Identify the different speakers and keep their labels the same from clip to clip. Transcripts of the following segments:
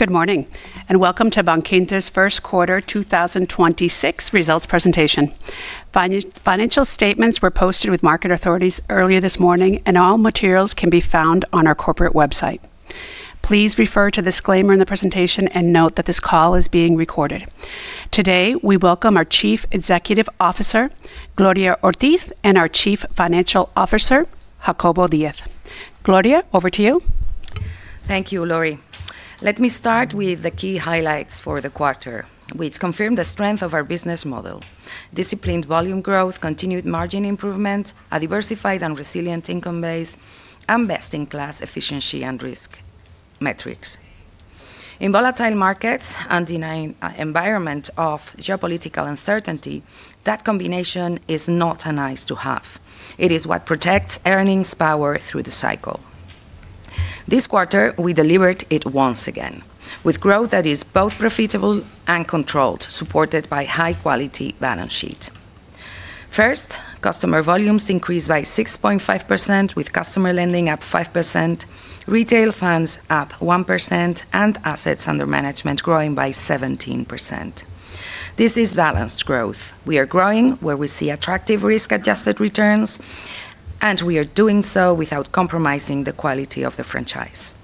Speaker 1: Good morning, and welcome to Bankinter's first quarter 2026 results presentation. Financial statements were posted with market authorities earlier this morning, and all materials can be found on our corporate website. Please refer to the disclaimer in the presentation and note that this call is being recorded. Today, we welcome our Chief Executive Officer, Gloria Ortiz, and our Chief Financial Officer, Jacobo Díaz. Gloria, over to you.
Speaker 2: Thank you, Laurie. Let me start with the key highlights for the quarter, which confirm the strength of our business model. Disciplined volume growth, continued margin improvement, a diversified and resilient income base, and best-in-class efficiency and risk metrics. In volatile markets and in an environment of geopolitical uncertainty, that combination is not a nice to have. It is what protects earnings power through the cycle. This quarter, we delivered it once again, with growth that is both profitable and controlled, supported by high-quality balance sheet. First, customer volumes increased by 6.5%, with customer lending up 5%, retail funds up 1%, and assets under management growing by 17%. This is balanced growth. We are growing where we see attractive risk-adjusted returns, and we are doing so without compromising the quality of the franchise.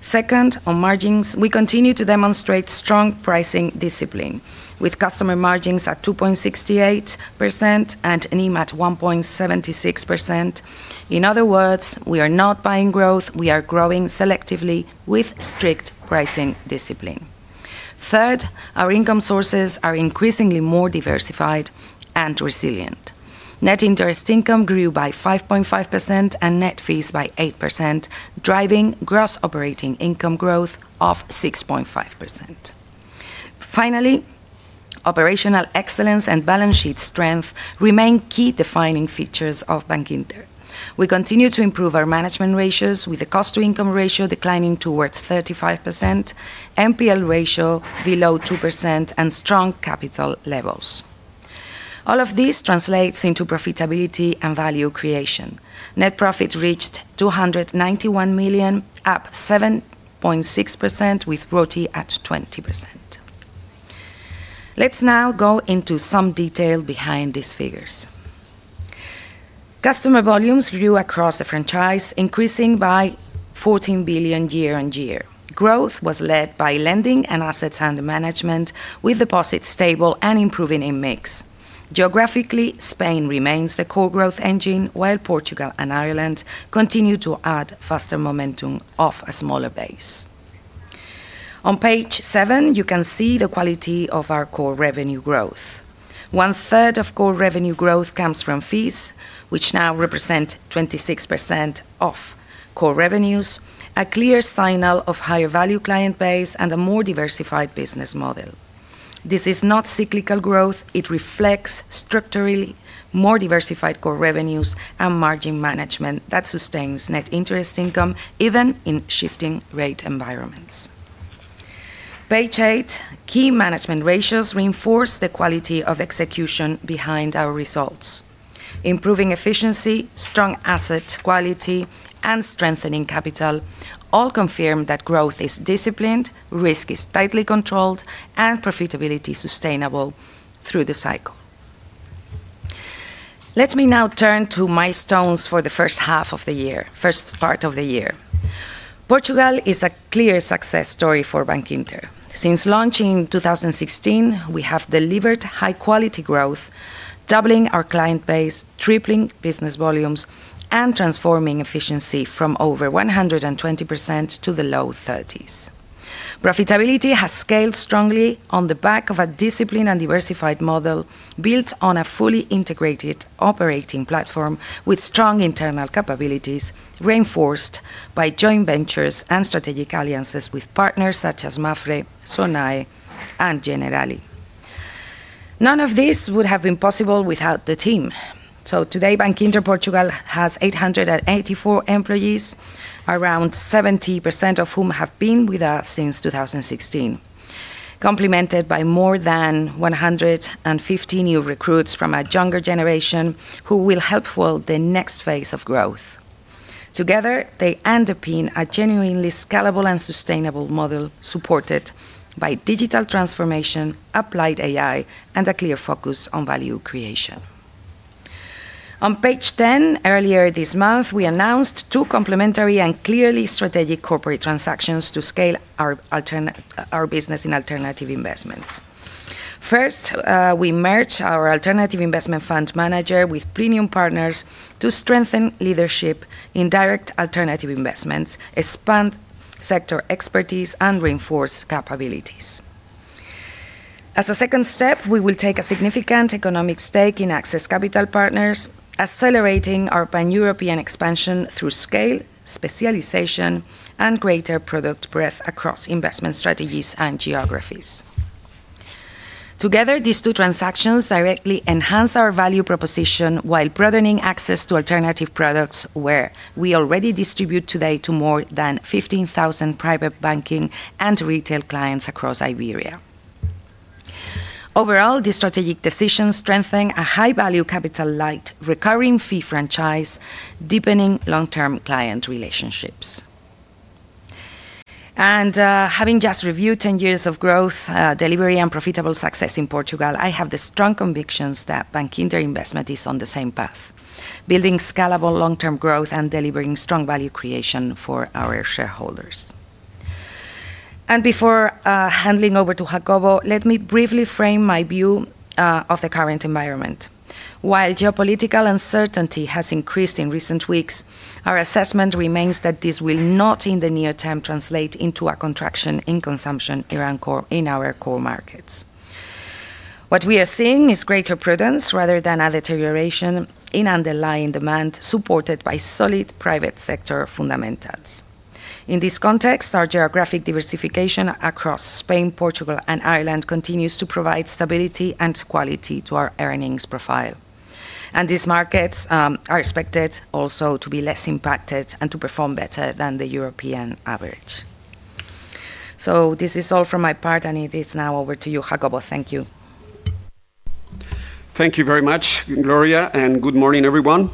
Speaker 2: Second, on margins, we continue to demonstrate strong pricing discipline, with customer margins at 2.68% and NIM at 1.76%. In other words, we are not buying growth. We are growing selectively with strict pricing discipline. Third, our income sources are increasingly more diversified and resilient. Net interest income grew by 5.5% and net fees by 8%, driving gross operating income growth of 6.5%. Finally, operational excellence and balance sheet strength remain key defining features of Bankinter. We continue to improve our management ratios with the cost-to-income ratio declining towards 35%, NPL ratio below 2%, and strong capital levels. All of this translates into profitability and value creation. Net profit reached 291 million, up 7.6%, with ROTE at 20%. Let's now go into some detail behind these figures. Customer volumes grew across the franchise, increasing by 14 billion year-on-year. Growth was led by lending and assets under management, with deposits stable and improving in mix. Geographically, Spain remains the core growth engine, while Portugal and Ireland continue to add faster momentum of a smaller base. On page seven, you can see the quality of our core revenue growth. One-third of core revenue growth comes from fees, which now represent 26% of core revenues, a clear signal of higher value client base and a more diversified business model. This is not cyclical growth. It reflects structurally more diversified core revenues and margin management that sustains net interest income even in shifting rate environments. Page eight, key management ratios reinforce the quality of execution behind our results. Improving efficiency, strong asset quality, and strengthening capital all confirm that growth is disciplined, risk is tightly controlled, and profitability sustainable through the cycle. Let me now turn to milestones for the first part of the year. Portugal is a clear success story for Bankinter. Since launching in 2016, we have delivered high-quality growth, doubling our client base, tripling business volumes, and transforming efficiency from over 120% to the low 30s. Profitability has scaled strongly on the back of a disciplined and diversified model built on a fully integrated operating platform with strong internal capabilities, reinforced by joint ventures and strategic alliances with partners such as Mapfre, Sonae, and Generali. None of this would have been possible without the team. Today, Bankinter Portugal has 884 employees, around 70% of whom have been with us since 2016, complemented by more than 150 new recruits from a younger generation who will help fuel the next phase of growth. Together, they underpin a genuinely scalable and sustainable model supported by digital transformation, applied AI, and a clear focus on value creation. On page 10, earlier this month, we announced two complementary and clearly strategic corporate transactions to scale our business in Alternative Investments. First, we merged our Alternative Investment fund manager with Plenium Partners to strengthen leadership in direct Alternative Investments, expand sector expertise, and reinforce capabilities. As a second step, we will take a significant economic stake in Access Capital Partners, accelerating our pan-European expansion through scale, specialization, and greater product breadth across investment strategies and geographies. Together, these two transactions directly enhance our value proposition while broadening access to alternative products where we already distribute today to more than 15,000 private banking and retail clients across Iberia. Overall, the strategic decisions strengthen a high-value, capital-light, recurring fee franchise, deepening long-term client relationships. Having just reviewed 10 years of growth, delivery, and profitable success in Portugal, I have the strong conviction that Bankinter Investment is on the same path, building scalable long-term growth and delivering strong value creation for our shareholders. Before handing over to Jacobo, let me briefly frame my view of the current environment. While geopolitical uncertainty has increased in recent weeks, our assessment remains that this will not, in the near term, translate into a contraction in consumption in our core markets. What we are seeing is greater prudence rather than a deterioration in underlying demand, supported by solid private sector fundamentals. In this context, our geographic diversification across Spain, Portugal, and Ireland continues to provide stability and quality to our earnings profile. These markets are expected also to be less impacted and to perform better than the European average. This is all from my part, and it is now over to you, Jacobo. Thank you.
Speaker 3: Thank you very much, Gloria, and good morning, everyone.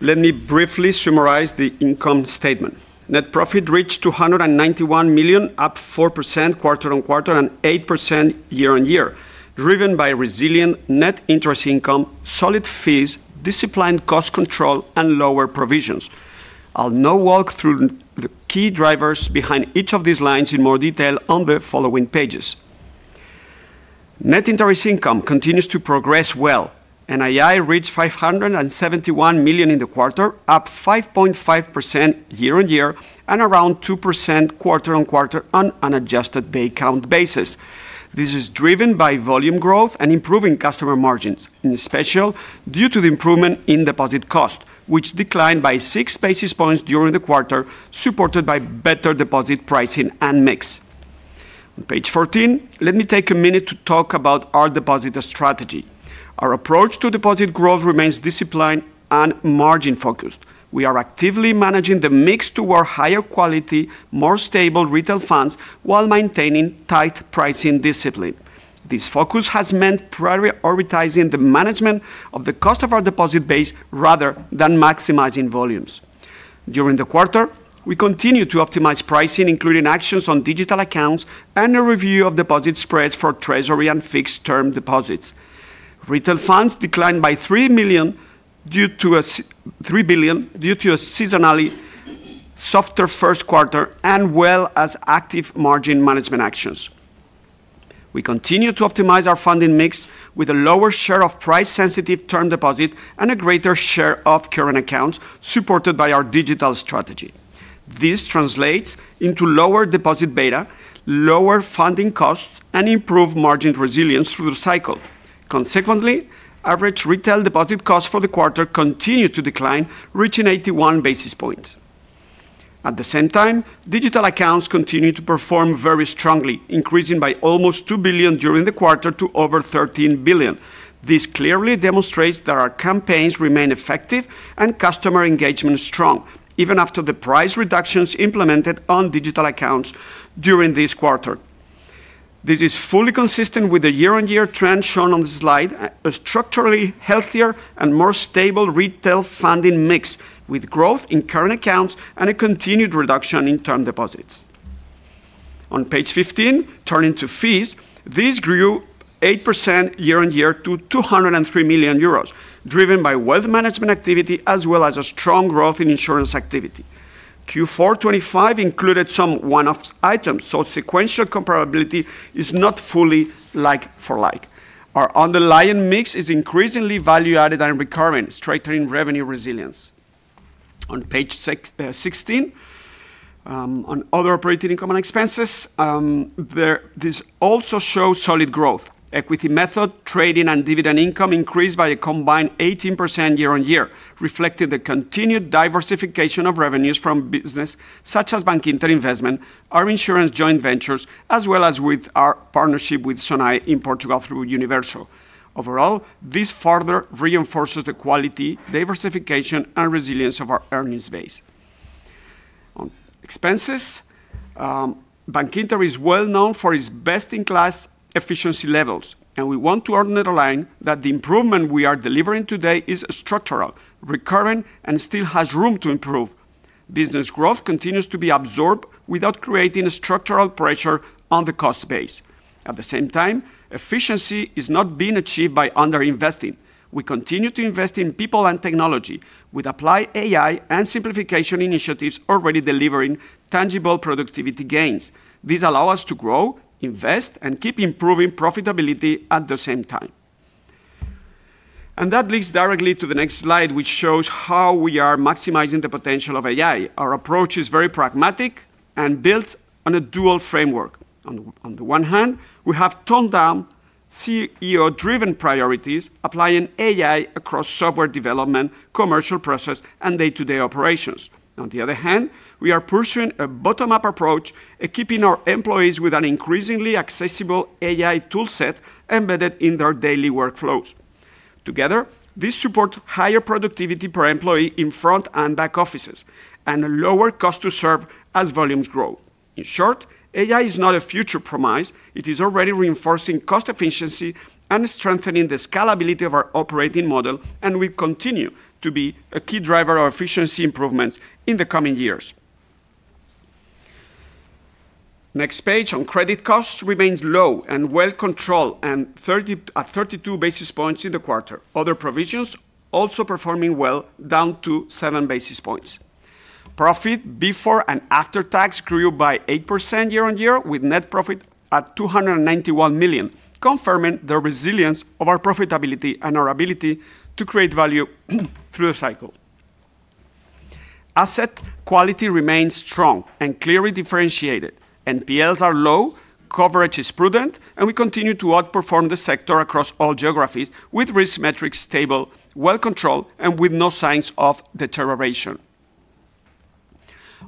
Speaker 3: Let me briefly summarize the income statement. Net profit reached 291 million, up 4% quarter-over-quarter and 8% year-over-year, driven by resilient net interest income, solid fees, disciplined cost control, and lower provisions. I'll now walk through the key drivers behind each of these lines in more detail on the following pages. Net interest income continues to progress well. NII reached 571 million in the quarter, up 5.5% year-over-year and around 2% quarter-over-quarter on an adjusted day count basis. This is driven by volume growth and improving customer margins, in particular, due to the improvement in deposit cost, which declined by six basis points during the quarter, supported by better deposit pricing and mix. On page 14, let me take a minute to talk about our deposit strategy. Our approach to deposit growth remains disciplined and margin-focused. We are actively managing the mix toward higher quality, more stable retail funds, while maintaining tight pricing discipline. This focus has meant prioritizing the management of the cost of our deposit base rather than maximizing volumes. During the quarter, we continued to optimize pricing, including actions on digital accounts and a review of deposit spreads for treasury and fixed-term deposits. Retail funds declined by 3 billion due to a seasonally softer first quarter as well as active margin management actions. We continue to optimize our funding mix with a lower share of price-sensitive term deposit and a greater share of current accounts supported by our digital strategy. This translates into lower deposit beta, lower funding costs, and improved margin resilience through the cycle. Consequently, average retail deposit costs for the quarter continued to decline, reaching 81 basis points. At the same time, digital accounts continued to perform very strongly, increasing by almost 2 billion during the quarter to over 13 billion. This clearly demonstrates that our campaigns remain effective and customer engagement strong, even after the price reductions implemented on digital accounts during this quarter. This is fully consistent with the year-over-year trend shown on the slide, a structurally healthier and more stable retail funding mix with growth in current accounts and a continued reduction in term deposits. On page 15, turning to fees, these grew 8% year-over-year to 203 million euros, driven by Wealth Management activity as well as a strong growth in insurance activity. Q4 2025 included some one-off items, so sequential comparability is not fully like for like. Our underlying mix is increasingly value-added and recurring, strengthening revenue resilience. On page 16, on other operating income and expenses, this also shows solid growth. Equity method, trading, and dividend income increased by a combined 18% year-on-year, reflecting the continued diversification of revenues from business such as Bankinter Investment, our insurance joint ventures, as well as with our partnership with Sonae in Portugal through Universo. Overall, this further reinforces the quality, diversification, and resilience of our earnings base. On expenses, Bankinter is well-known for its best-in-class efficiency levels, and we want to underline that the improvement we are delivering today is structural, recurring, and still has room to improve. Business growth continues to be absorbed without creating structural pressure on the cost base. At the same time, efficiency is not being achieved by under-investing. We continue to invest in people and technology, with applied AI and simplification initiatives already delivering tangible productivity gains. These allow us to grow, invest, and keep improving profitability at the same time. That leads directly to the next slide, which shows how we are maximizing the potential of AI. Our approach is very pragmatic and built on a dual framework. On the one hand, we have top-down CEO-driven priorities, applying AI across software development, commercial process, and day-to-day operations. On the other hand, we are pursuing a bottom-up approach, keeping our employees with an increasingly accessible AI toolset embedded in their daily workflows. Together, this supports higher productivity per employee in front and back offices, and a lower cost to serve as volumes grow. In short, AI is not a future promise. It is already reinforcing cost efficiency and strengthening the scalability of our operating model, and will continue to be a key driver of efficiency improvements in the coming years. Next page. Our credit costs remain low and well-controlled, and at 32 basis points in the quarter. Other provisions also performing well, down to seven basis points. Profit before and after tax grew by 8% year-on-year, with net profit at 291 million, confirming the resilience of our profitability and our ability to create value through the cycle. Asset quality remains strong and clearly differentiated. NPLs are low, coverage is prudent, and we continue to outperform the sector across all geographies, with risk metrics stable, well-controlled, and with no signs of deterioration.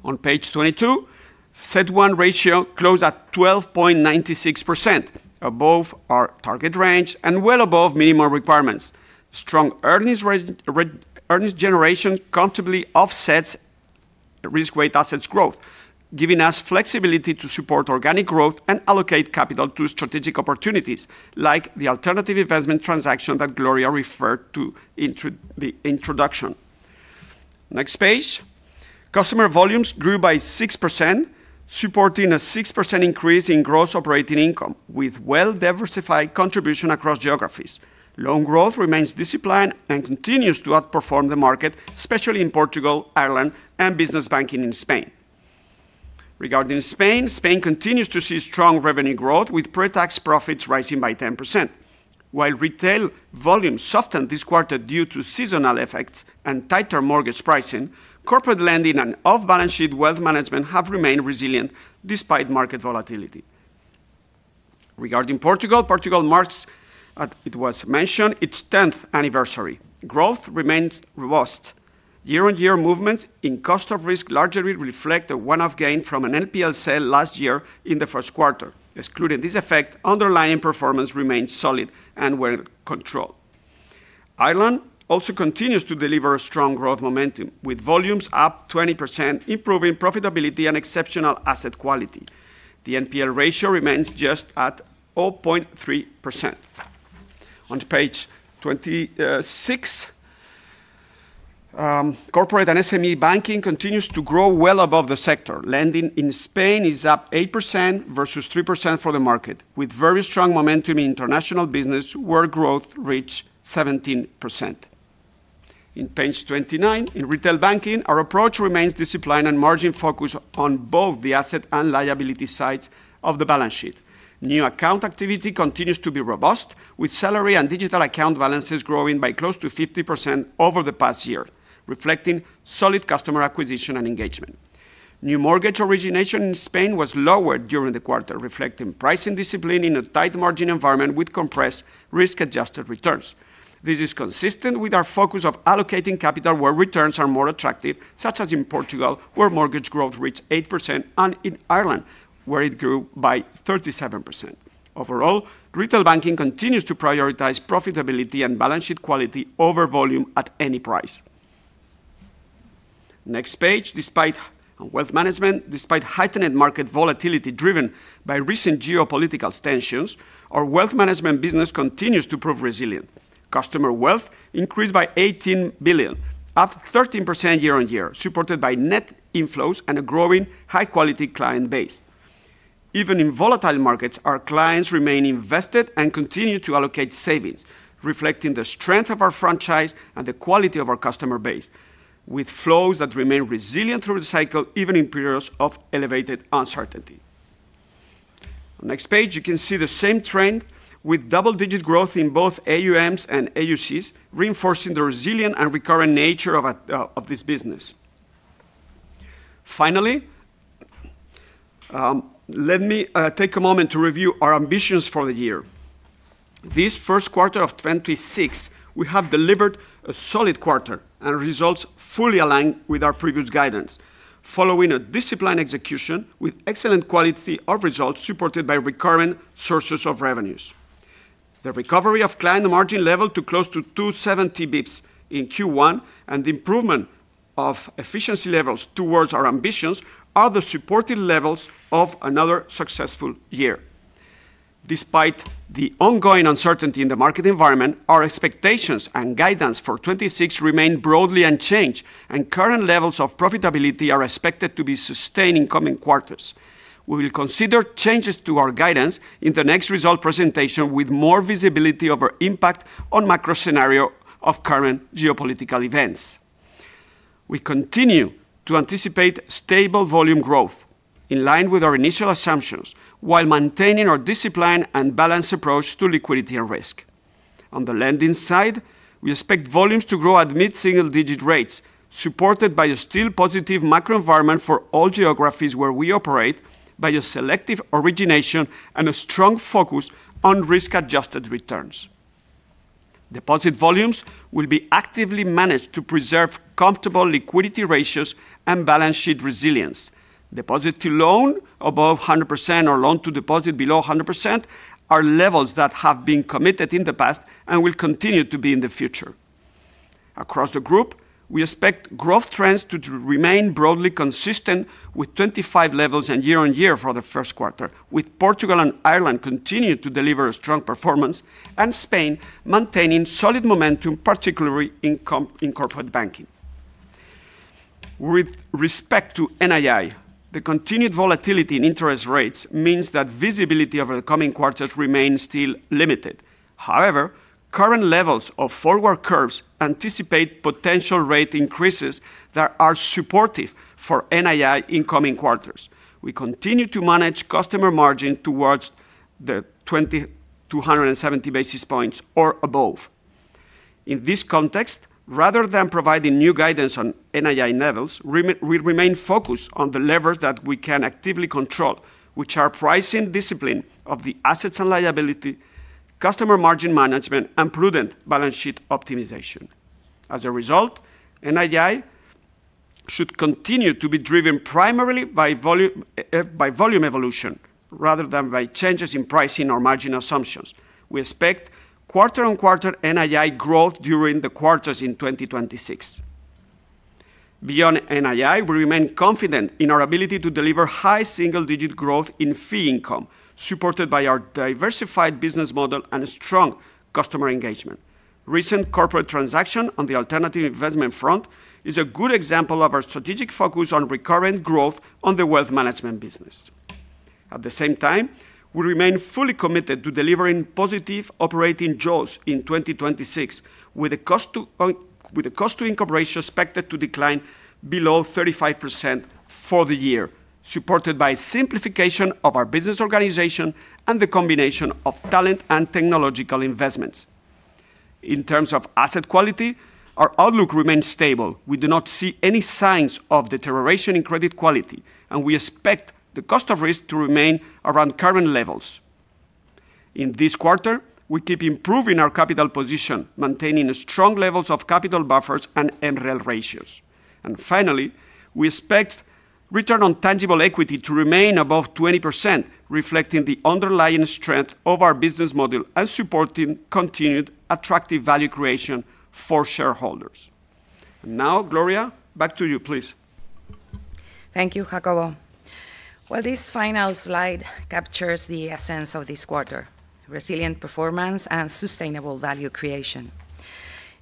Speaker 3: On page 22, CET1 ratio closed at 12.96%, above our target range and well above minimal requirements. Strong earnings generation comfortably offsets risk-weighted assets growth, giving us flexibility to support organic growth and allocate capital to strategic opportunities, like the Alternative Investment transaction that Gloria referred to in the introduction. Next page. Customer volumes grew by 6%, supporting a 6% increase in gross operating income, with well-diversified contribution across geographies. Loan growth remains disciplined and continues to outperform the market, especially in Portugal, Ireland, and Business Banking in Spain. Regarding Spain, Spain continues to see strong revenue growth, with pre-tax profits rising by 10%. While retail volumes softened this quarter due to seasonal effects and tighter mortgage pricing, corporate lending and off-balance-sheet Wealth Management have remained resilient despite market volatility. Regarding Portugal, Portugal marks, as it was mentioned, its 10th anniversary. Growth remains robust. Year-on-year movements in cost of risk largely reflect a one-off gain from an NPL sale last year in the first quarter. Excluding this effect, underlying performance remains solid and well controlled. Ireland also continues to deliver strong growth momentum, with volumes up 20%, improving profitability and exceptional asset quality. The NPL ratio remains just at 0.3%. On page 26, corporate and SME banking continues to grow well above the sector. Lending in Spain is up 8% versus 3% for the market, with very strong momentum in international business, where growth reached 17%. On page 29, in Retail Banking, our approach remains disciplined and margin-focused on both the asset and liability sides of the balance sheet. New account activity continues to be robust, with salary and digital account balances growing by close to 50% over the past year, reflecting solid customer acquisition and engagement. New mortgage origination in Spain was lower during the quarter, reflecting pricing discipline in a tight margin environment with compressed risk-adjusted returns. This is consistent with our focus of allocating capital where returns are more attractive, such as in Portugal, where mortgage growth reached 8%, and in Ireland, where it grew by 37%. Overall, Retail Banking continues to prioritize profitability and balance sheet quality over volume at any price. Next page. On Wealth Management, despite heightened market volatility driven by recent geopolitical tensions, our Wealth Management business continues to prove resilient. Customer wealth increased by 18 billion, up 13% year-on-year, supported by net inflows and a growing high-quality client base. Even in volatile markets, our clients remain invested and continue to allocate savings, reflecting the strength of our franchise and the quality of our customer base, with flows that remain resilient through the cycle, even in periods of elevated uncertainty. On next page, you can see the same trend with double-digit growth in both AUMs and AUCs, reinforcing the resilient and recurring nature of this business. Finally, let me take a moment to review our ambitions for the year. This first quarter of 2026, we have delivered a solid quarter, and results fully aligned with our previous guidance, following a disciplined execution with excellent quality of results supported by recurring sources of revenues. The recovery of client margin level to close to 270 basis points in Q1, and the improvement of efficiency levels towards our ambitions, are the supporting levers of another successful year. Despite the ongoing uncertainty in the market environment, our expectations and guidance for 2026 remain broadly unchanged, and current levels of profitability are expected to be sustained in coming quarters. We will consider changes to our guidance in the next result presentation, with more visibility of our impact on macro scenario of current geopolitical events. We continue to anticipate stable volume growth, in line with our initial assumptions, while maintaining our disciplined and balanced approach to liquidity and risk. On the lending side, we expect volumes to grow at mid-single digit rates, supported by a still positive macro environment for all geographies where we operate by a selective origination and a strong focus on risk-adjusted returns. Deposit volumes will be actively managed to preserve comfortable liquidity ratios and balance sheet resilience. Deposit to loan above 100% or loan to deposit below 100% are levels that have been committed in the past and will continue to be in the future. Across the group, we expect growth trends to remain broadly consistent with 2025 levels and year-on-year for the first quarter, with Portugal and Ireland continuing to deliver strong performance and Spain maintaining solid momentum, particularly in Corporate Banking. With respect to NII, the continued volatility in interest rates means that visibility over the coming quarters remains still limited. However, current levels of forward curves anticipate potential rate increases that are supportive for NII in coming quarters. We continue to manage customer margin towards the 270 basis points or above. In this context, rather than providing new guidance on NII levels, we remain focused on the levers that we can actively control, which are pricing discipline of the assets and liabilities, customer margin management, and prudent balance sheet optimization. As a result, NII should continue to be driven primarily by volume evolution rather than by changes in pricing or margin assumptions. We expect quarter-on-quarter NII growth during the quarters in 2026. Beyond NII, we remain confident in our ability to deliver high single-digit growth in fee income, supported by our diversified business model and strong customer engagement. Recent corporate transaction on the Alternative Investment front is a good example of our strategic focus on recurrent growth on the Wealth Management business. At the same time, we remain fully committed to delivering positive operating jaws in 2026 with the cost-to-income ratio expected to decline below 35% for the year, supported by simplification of our business organization and the combination of talent and technological investments. In terms of asset quality, our outlook remains stable. We do not see any signs of deterioration in credit quality, and we expect the cost of risk to remain around current levels. In this quarter, we keep improving our capital position, maintaining strong levels of capital buffers and MREL ratios. Finally, we expect return on tangible equity to remain above 20%, reflecting the underlying strength of our business model and supporting continued attractive value creation for shareholders. Now, Gloria, back to you, please.
Speaker 2: Thank you, Jacobo. Well, this final slide captures the essence of this quarter, resilient performance and sustainable value creation.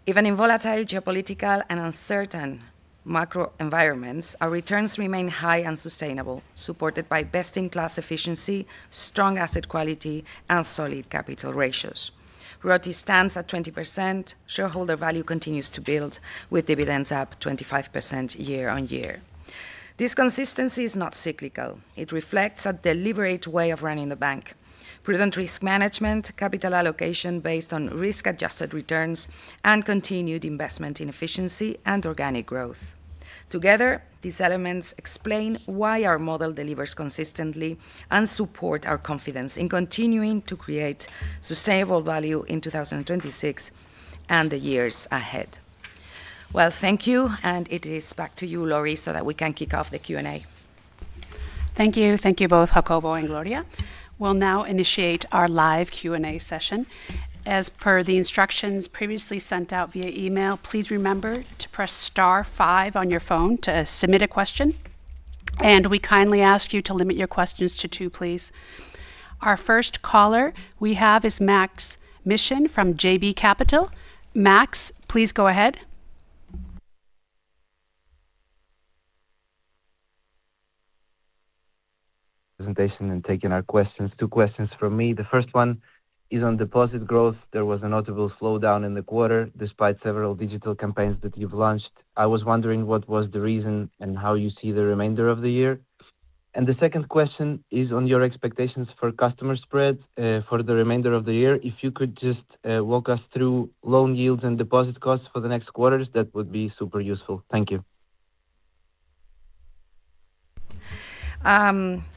Speaker 2: Even in volatile geopolitical and uncertain macro environments, our returns remain high and sustainable, supported by best-in-class efficiency, strong asset quality, and solid capital ratios. ROTE stands at 20%, shareholder value continues to build, with dividends up 25% year-on-year. This consistency is not cyclical. It reflects a deliberate way of running the bank, prudent risk management, capital allocation based on risk-adjusted returns, and continued investment in efficiency and organic growth. Together, these elements explain why our model delivers consistently and support our confidence in continuing to create sustainable value in 2026 and the years ahead. Well, thank you, and it is back to you, Laurie, so that we can kick off the Q&A.
Speaker 1: Thank you. Thank you both, Jacobo and Gloria. We'll now initiate our live Q&A session. As per the instructions previously sent out via email, please remember to press star five on your phone to submit a question, and we kindly ask you to limit your questions to two, please. Our first caller we have is Maks Mishyn from JB Capital. Maks, please go ahead.
Speaker 4: ...presentation and taking our questions. Two questions from me. The first one is on deposit growth. There was a notable slowdown in the quarter despite several digital campaigns that you've launched. I was wondering what was the reason and how you see the remainder of the year. The second question is on your expectations for customer spread, for the remainder of the year. If you could just walk us through loan yields and deposit costs for the next quarters, that would be super useful. Thank you.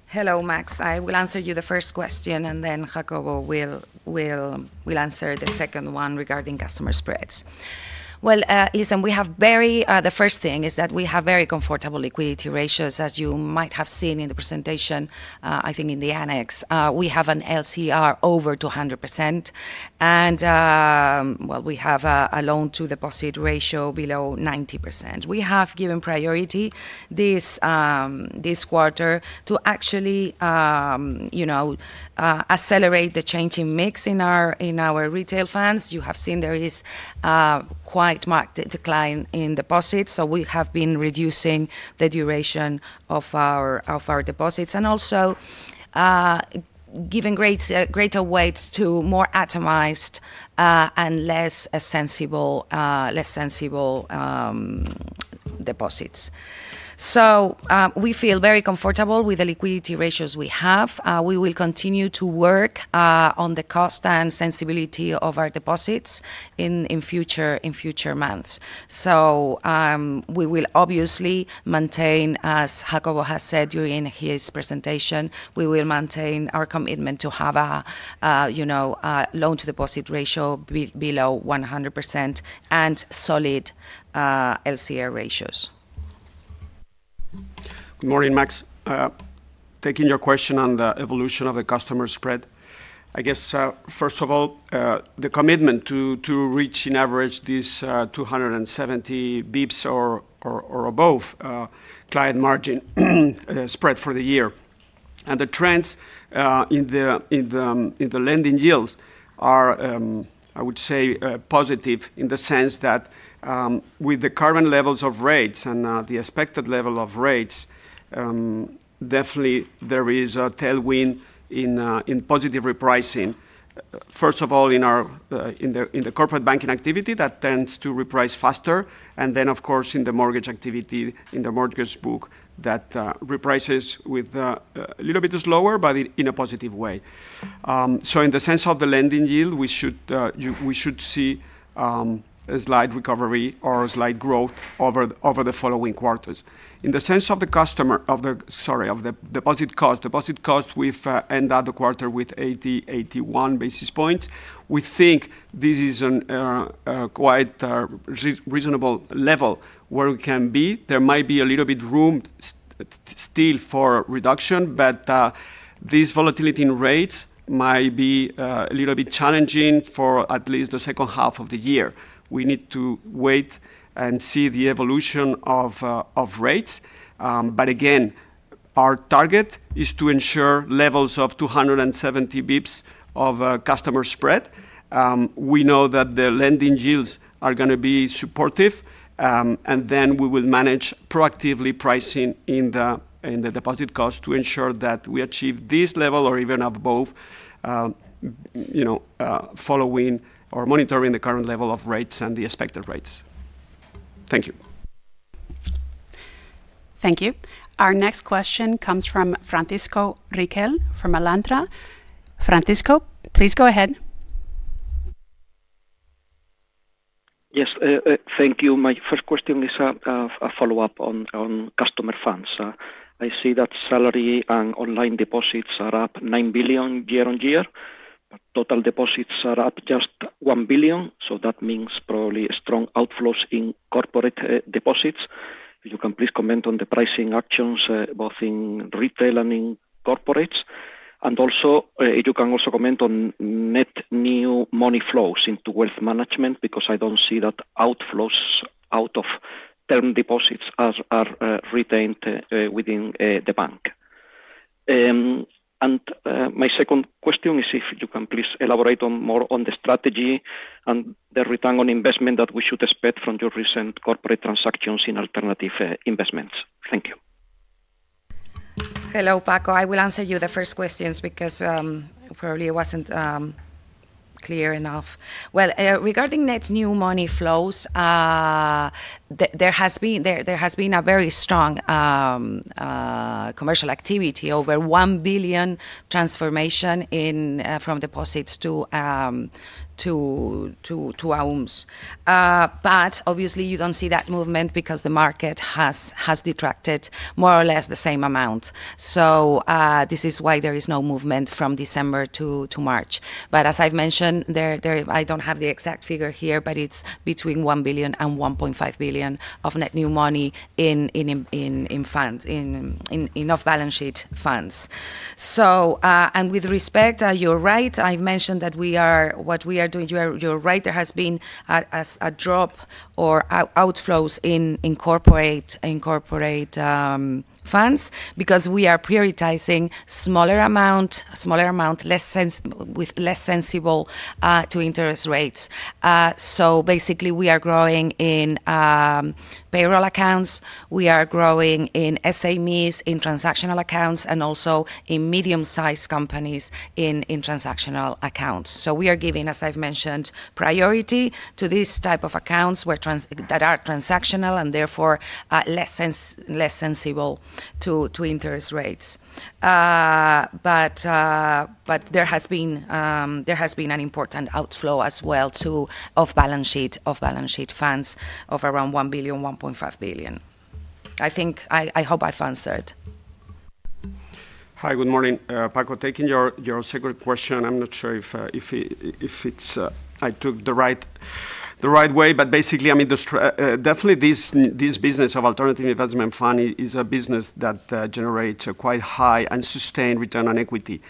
Speaker 2: Hello, Maks. I will answer you the first question, and then Jacobo will answer the second one regarding customer spreads. Well, the first thing is that we have very comfortable liquidity ratios, as you might have seen in the presentation, I think in the annex. We have an LCR over 200% and we have a loan-to-deposit ratio below 90%. We have given priority this quarter to actually accelerate the change in mix in our retail funds. You have seen there is quite marked decline in deposits. We have been reducing the duration of our deposits and also giving greater weight to more atomized and less sensitive deposits. We feel very comfortable with the liquidity ratios we have. We will continue to work on the cost and sensitivity of our deposits in future months. We will obviously maintain, as Jacobo has said during his presentation, we will maintain our commitment to have a loan-to-deposit ratio below 100% and solid LCR ratios.
Speaker 3: Good morning, Maks. Taking your question on the evolution of the customer spread, I guess, first of all, the commitment to reach in average these 270 basis points or above client margin spread for the year. The trends in the lending yields are, I would say, positive in the sense that with the current levels of rates and the expected level of rates, definitely there is a tailwind in positive repricing. First of all, in the Corporate Banking activity, that tends to reprice faster. Then, of course, in the mortgage activity, in the mortgage book, that reprices a little bit slower, but in a positive way. In the sense of the lending yield, we should see a slight recovery or a slight growth over the following quarters. In the sense of the customer... Sorry, of the deposit cost, we've ended the quarter with 80 basis points-81 basis points. We think this is quite a reasonable level where we can be. There might be a little bit room still for reduction, but this volatility in rates might be a little bit challenging for at least the second half of the year. We need to wait and see the evolution of rates. Again, our target is to ensure levels of 270 basis points of customer spread. We know that the lending yields are going to be supportive, and then we will manage proactively pricing in the deposit cost to ensure that we achieve this level or even above, following or monitoring the current level of rates and the expected rates. Thank you.
Speaker 1: Thank you. Our next question comes from Francisco Riquel from Alantra. Francisco, please go ahead.
Speaker 5: Yes. Thank you. My first question is a follow-up on customer funds. I see that salary and online deposits are up 9 billion year-over-year. Total deposits are up just 1 billion, so that means probably strong outflows in corporate deposits. You can please comment on the pricing actions, both in retail and in corporates? Also, if you can also comment on net new money flows into Wealth Management, because I don't see that outflows out of term deposits are retained within the bank. My second question is if you can please elaborate on more on the strategy and the return on investment that we should expect from your recent corporate transactions in Alternative Investments. Thank you.
Speaker 2: Hello, Paco. I will answer you the first questions because probably I wasn't clear enough. Regarding net new money flows, there has been a very strong commercial activity, over 1 billion transformation from deposits to AUMs. Obviously, you don't see that movement because the market has detracted more or less the same amount. This is why there is no movement from December to March. As I've mentioned, I don't have the exact figure here, but it's between 1 billion and 1.5 billion of net new money in off-balance-sheet funds. With respect, you're right. I mentioned that what we are doing, you're right, there has been a drop or outflows in corporate funds because we are prioritizing smaller amount with less sensitive to interest rates. Basically, we are growing in payroll accounts, we are growing in SMEs, in transactional accounts, and also in medium-sized companies in transactional accounts. We are giving, as I've mentioned, priority to these type of accounts that are transactional and therefore less sensitive to interest rates. There has been an important outflow as well to off-balance-sheet funds of around 1 billion, 1.5 billion. I hope I've answered.
Speaker 3: Hi, good morning. Paco, taking your second question, I'm not sure if I took the right way. Basically, definitely this business of Alternative Investment fund is a business that generates a quite high and sustained return on equity.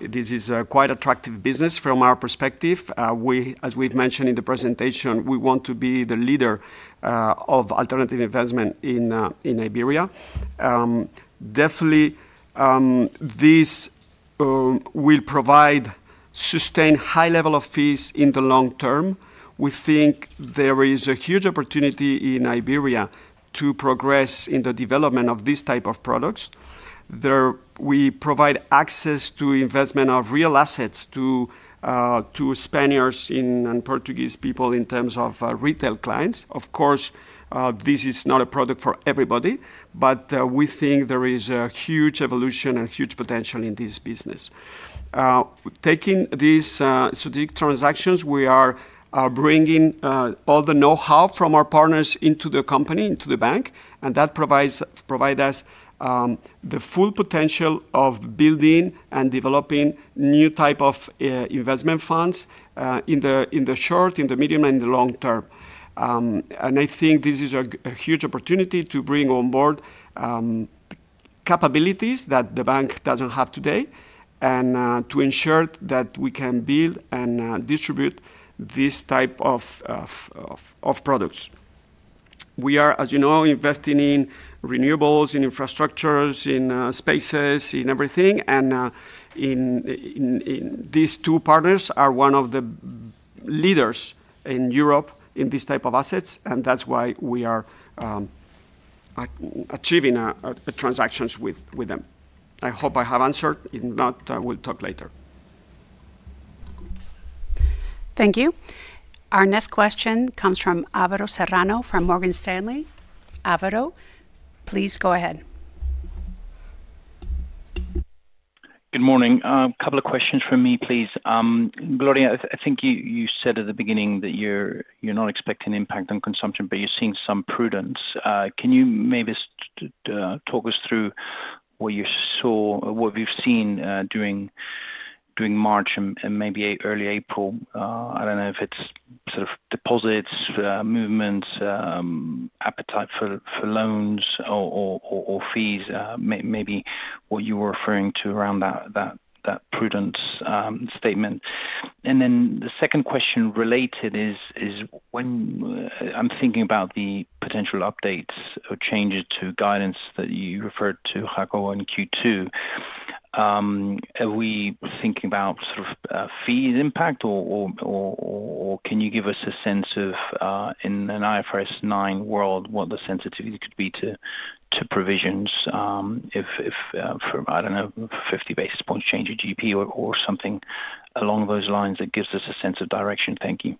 Speaker 3: This is a quite attractive business from our perspective. As we've mentioned in the presentation, we want to be the leader of Alternative Investment in Iberia. Definitely, this will provide sustained high level of fees in the long term. We think there is a huge opportunity in Iberia to progress in the development of these type of products. We provide access to investment of real assets to Spaniards and Portuguese people in terms of retail clients. Of course, this is not a product for everybody, but we think there is a huge evolution and huge potential in this business. Taking these strategic transactions, we are bringing all the know-how from our partners into the company, into the bank, and that provide us. The full potential of building and developing new type of investment funds in the short, in the medium, and the long term. I think this is a huge opportunity to bring on board capabilities that the bank doesn't have today, and to ensure that we can build and distribute this type of products. We are, as you know, investing in renewables, in infrastructures, in spaces, in everything, and these two partners are one of the leaders in Europe in this type of assets, and that's why we are achieving transactions with them. I hope I have answered. If not, we'll talk later.
Speaker 1: Thank you. Our next question comes from Alvaro Serrano from Morgan Stanley. Alvaro, please go ahead.
Speaker 6: Good morning. Couple of questions from me, please. Gloria, I think you said at the beginning that you're not expecting impact on consumption, but you're seeing some prudence. Can you maybe talk us through what you saw, what we've seen during March and maybe early April? I don't know if it's sort of deposits, movements, appetite for loans or fees, maybe what you were referring to around that prudence statement. The second question related is, I'm thinking about the potential updates or changes to guidance that you referred to, Jacobo, on Q2. Are we thinking about sort of a fee impact or can you give us a sense of, in an IFRS 9 world, what the sensitivity could be to provisions, if from, I don't know, 50 basis points change of GDP or something along those lines that gives us a sense of direction? Thank you.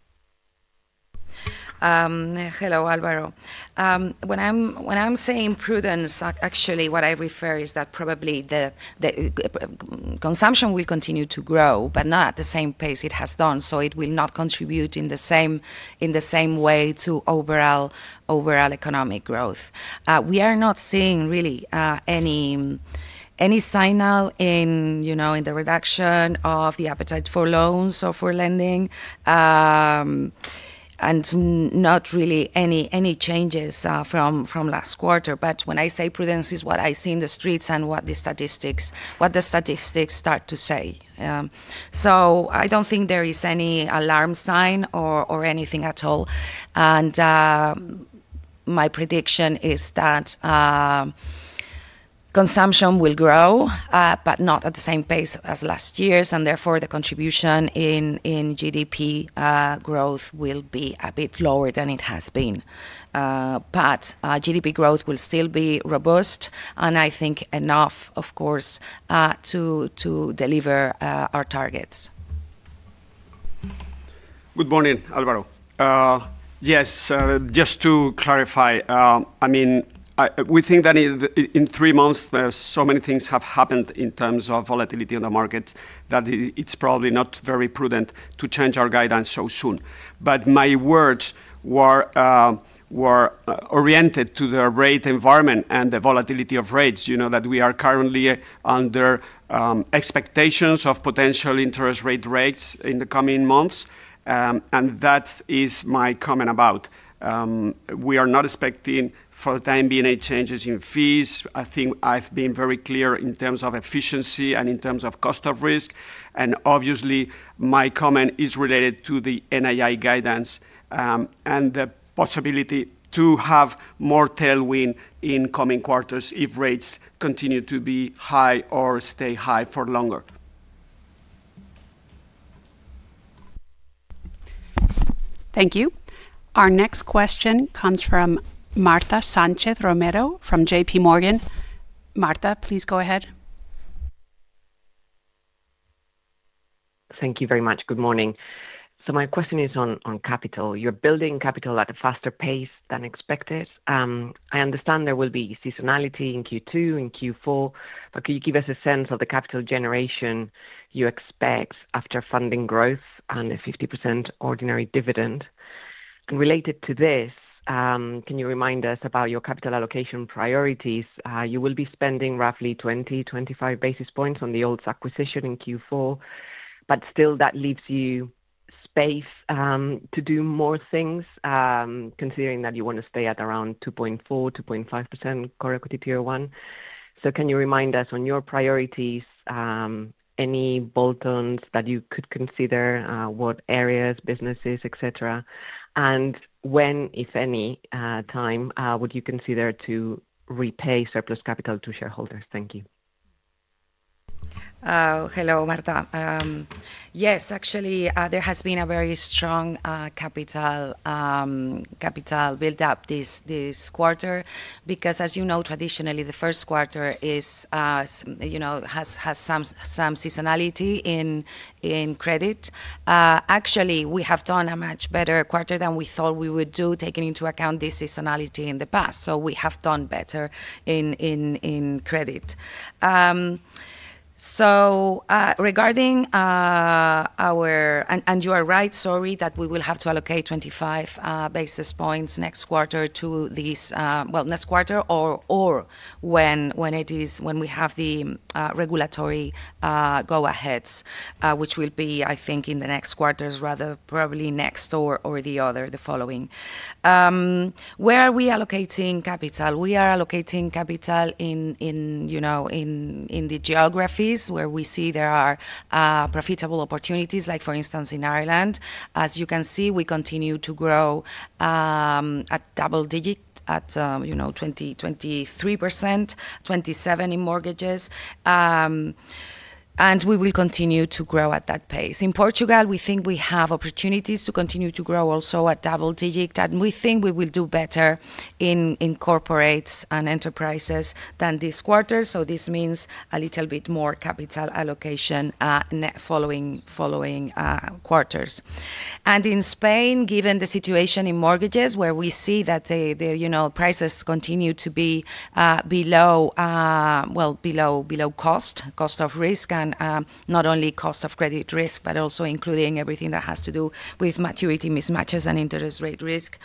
Speaker 2: Hello, Alvaro. When I'm saying prudence, actually what I refer is that probably the consumption will continue to grow, but not at the same pace it has done. It will not contribute in the same way to overall economic growth. We are not seeing really any signal in the reduction of the appetite for loans or for lending, and not really any changes from last quarter. When I say prudence, it's what I see in the streets and what the statistics start to say. I don't think there is any alarm sign or anything at all. My prediction is that consumption will grow, but not at the same pace as last year's, and therefore, the contribution in GDP growth will be a bit lower than it has been. GDP growth will still be robust, and I think enough, of course, to deliver our targets.
Speaker 3: Good morning, Alvaro. Yes, just to clarify, we think that in three months, so many things have happened in terms of volatility in the markets that it's probably not very prudent to change our guidance so soon. My words were oriented to the rate environment and the volatility of rates that we are currently seeing expectations of potential interest rate cuts in the coming months, and that is my comment about. We are not expecting, for the time being, any changes in fees. I think I've been very clear in terms of efficiency and in terms of cost of risk. Obviously, my comment is related to the NII guidance, and the possibility to have more tailwind in coming quarters if rates continue to be high or stay high for longer.
Speaker 1: Thank you. Our next question comes from Marta Sanchez Romero from JPMorgan. Marta, please go ahead.
Speaker 7: Thank you very much. Good morning. My question is on capital. You're building capital at a faster pace than expected. I understand there will be seasonality in Q2 and Q4, but can you give us a sense of the capital generation you expect after funding growth and a 50% ordinary dividend? Related to this, can you remind us about your capital allocation priorities? You will be spending roughly 20 basis points-25 basis points on the Alts acquisition in Q4, but still that leaves you space to do more things, considering that you want to stay at around 2.4%-2.5% core equity tier one. Can you remind us on your priorities, any bolt-ons that you could consider, what areas, businesses, et cetera? And when, if any time, would you consider to repay surplus capital to shareholders? Thank you.
Speaker 2: Hello, Marta. Yes, actually, there has been a very strong capital built up this quarter because as you know, traditionally, the first quarter has some seasonality in credit. Actually, we have done a much better quarter than we thought we would do, taking into account this seasonality in the past. We have done better in credit. You are right, sorry, that we will have to allocate 25 basis points next quarter to these, well, next quarter or when we have the regulatory go aheads, which will be, I think, in the next quarters, rather probably next or the other, the following. Where are we allocating capital? We are allocating capital in the geographies where we see there are profitable opportunities, like for instance, in Ireland. As you can see, we continue to grow at double digit at 20%, 23%, 27% in mortgages. We will continue to grow at that pace. In Portugal, we think we have opportunities to continue to grow also at double digit, and we think we will do better in corporates and enterprises than this quarter. This means a little bit more capital allocation net following quarters. In Spain, given the situation in mortgages, where we see that the prices continue to be below cost of risk, and not only cost of credit risk, but also including everything that has to do with maturity mismatches and interest rate risk.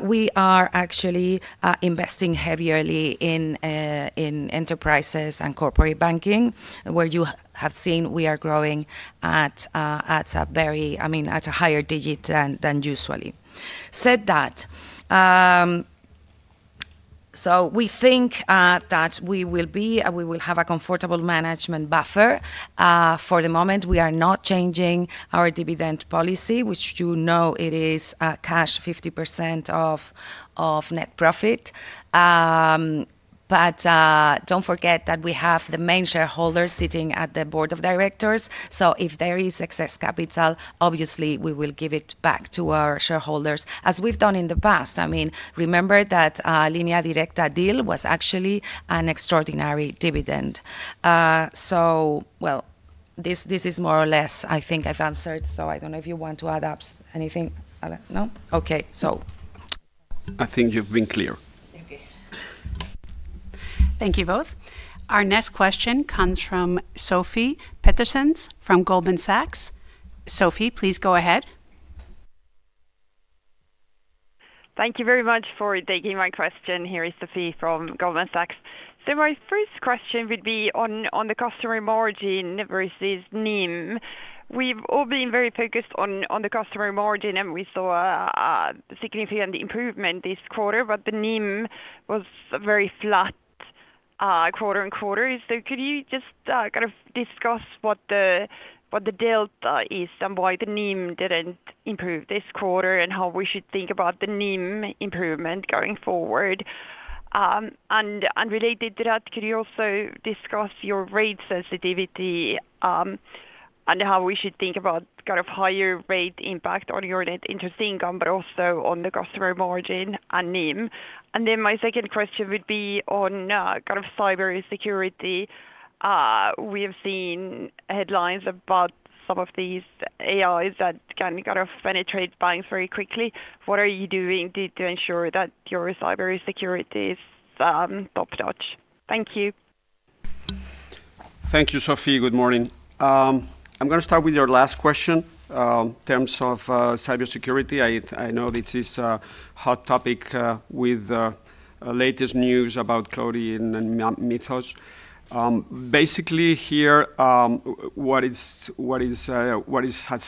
Speaker 2: We are actually investing heavily in enterprises and Corporate Banking, where you have seen we are growing at a higher digit than usually. That said, so we think that we will have a comfortable management buffer. For the moment, we are not changing our dividend policy, which you know it is cash 50% of net profit. Don't forget that we have the main shareholder sitting at the board of directors, so if there is excess capital, obviously we will give it back to our shareholders, as we've done in the past. Remember that Línea Directa deal was actually an extraordinary dividend. Well, this is more or less. I think I've answered, so I don't know if you want to add anything? No? Okay.
Speaker 3: I think you've been clear.
Speaker 2: Okay.
Speaker 1: Thank you both. Our next question comes from Sofie Peterzens from Goldman Sachs. Sofie, please go ahead.
Speaker 8: Thank you very much for taking my question. Here is Sofie from Goldman Sachs. My first question would be on the customer margin versus NIM. We've all been very focused on the customer margin, and we saw a significant improvement this quarter, but the NIM was very flat quarter-over-quarter. Could you just kind of discuss what the delta is and why the NIM didn't improve this quarter, and how we should think about the NIM improvement going forward? Related to that, could you also discuss your rate sensitivity, and how we should think about kind of higher rate impact on your net interest income, but also on the customer margin and NIM? My second question would be on kind of cybersecurity. We have seen headlines about some of these AIs that can kind of penetrate banks very quickly. What are you doing to ensure that your cybersecurity is top-notch? Thank you.
Speaker 3: Thank you, Sofie. Good morning. I'm going to start with your last question. In terms of cybersecurity, I know this is a hot topic, with latest news about Claude and Mythos. Basically here, what has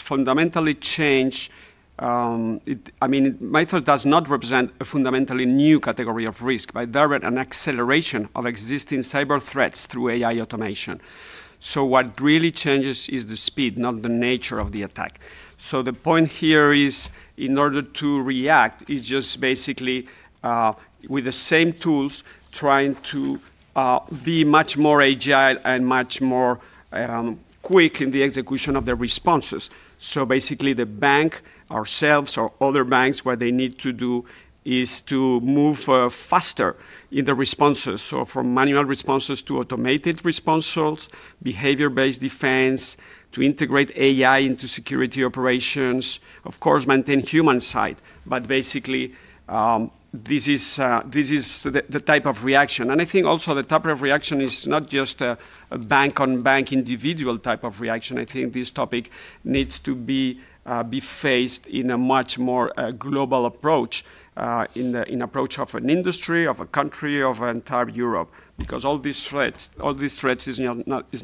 Speaker 3: fundamentally changed, Mythos does not represent a fundamentally new category of risk, but rather an acceleration of existing cyber threats through AI automation. What really changes is the speed, not the nature of the attack. The point here is, in order to react, is just basically with the same tools, trying to be much more agile and much more quick in the execution of the responses. Basically the bank, ourselves, or other banks, what they need to do is to move faster in the responses. From manual responses to automated responses, behavior-based defense, to integrate AI into security operations, of course, maintain human side. But basically, this is the type of reaction. I think also the type of reaction is not just a bank-on-bank individual type of reaction. I think this topic needs to be faced in a much more global approach, in approach of an industry, of a country, of entire Europe. Because all these threats is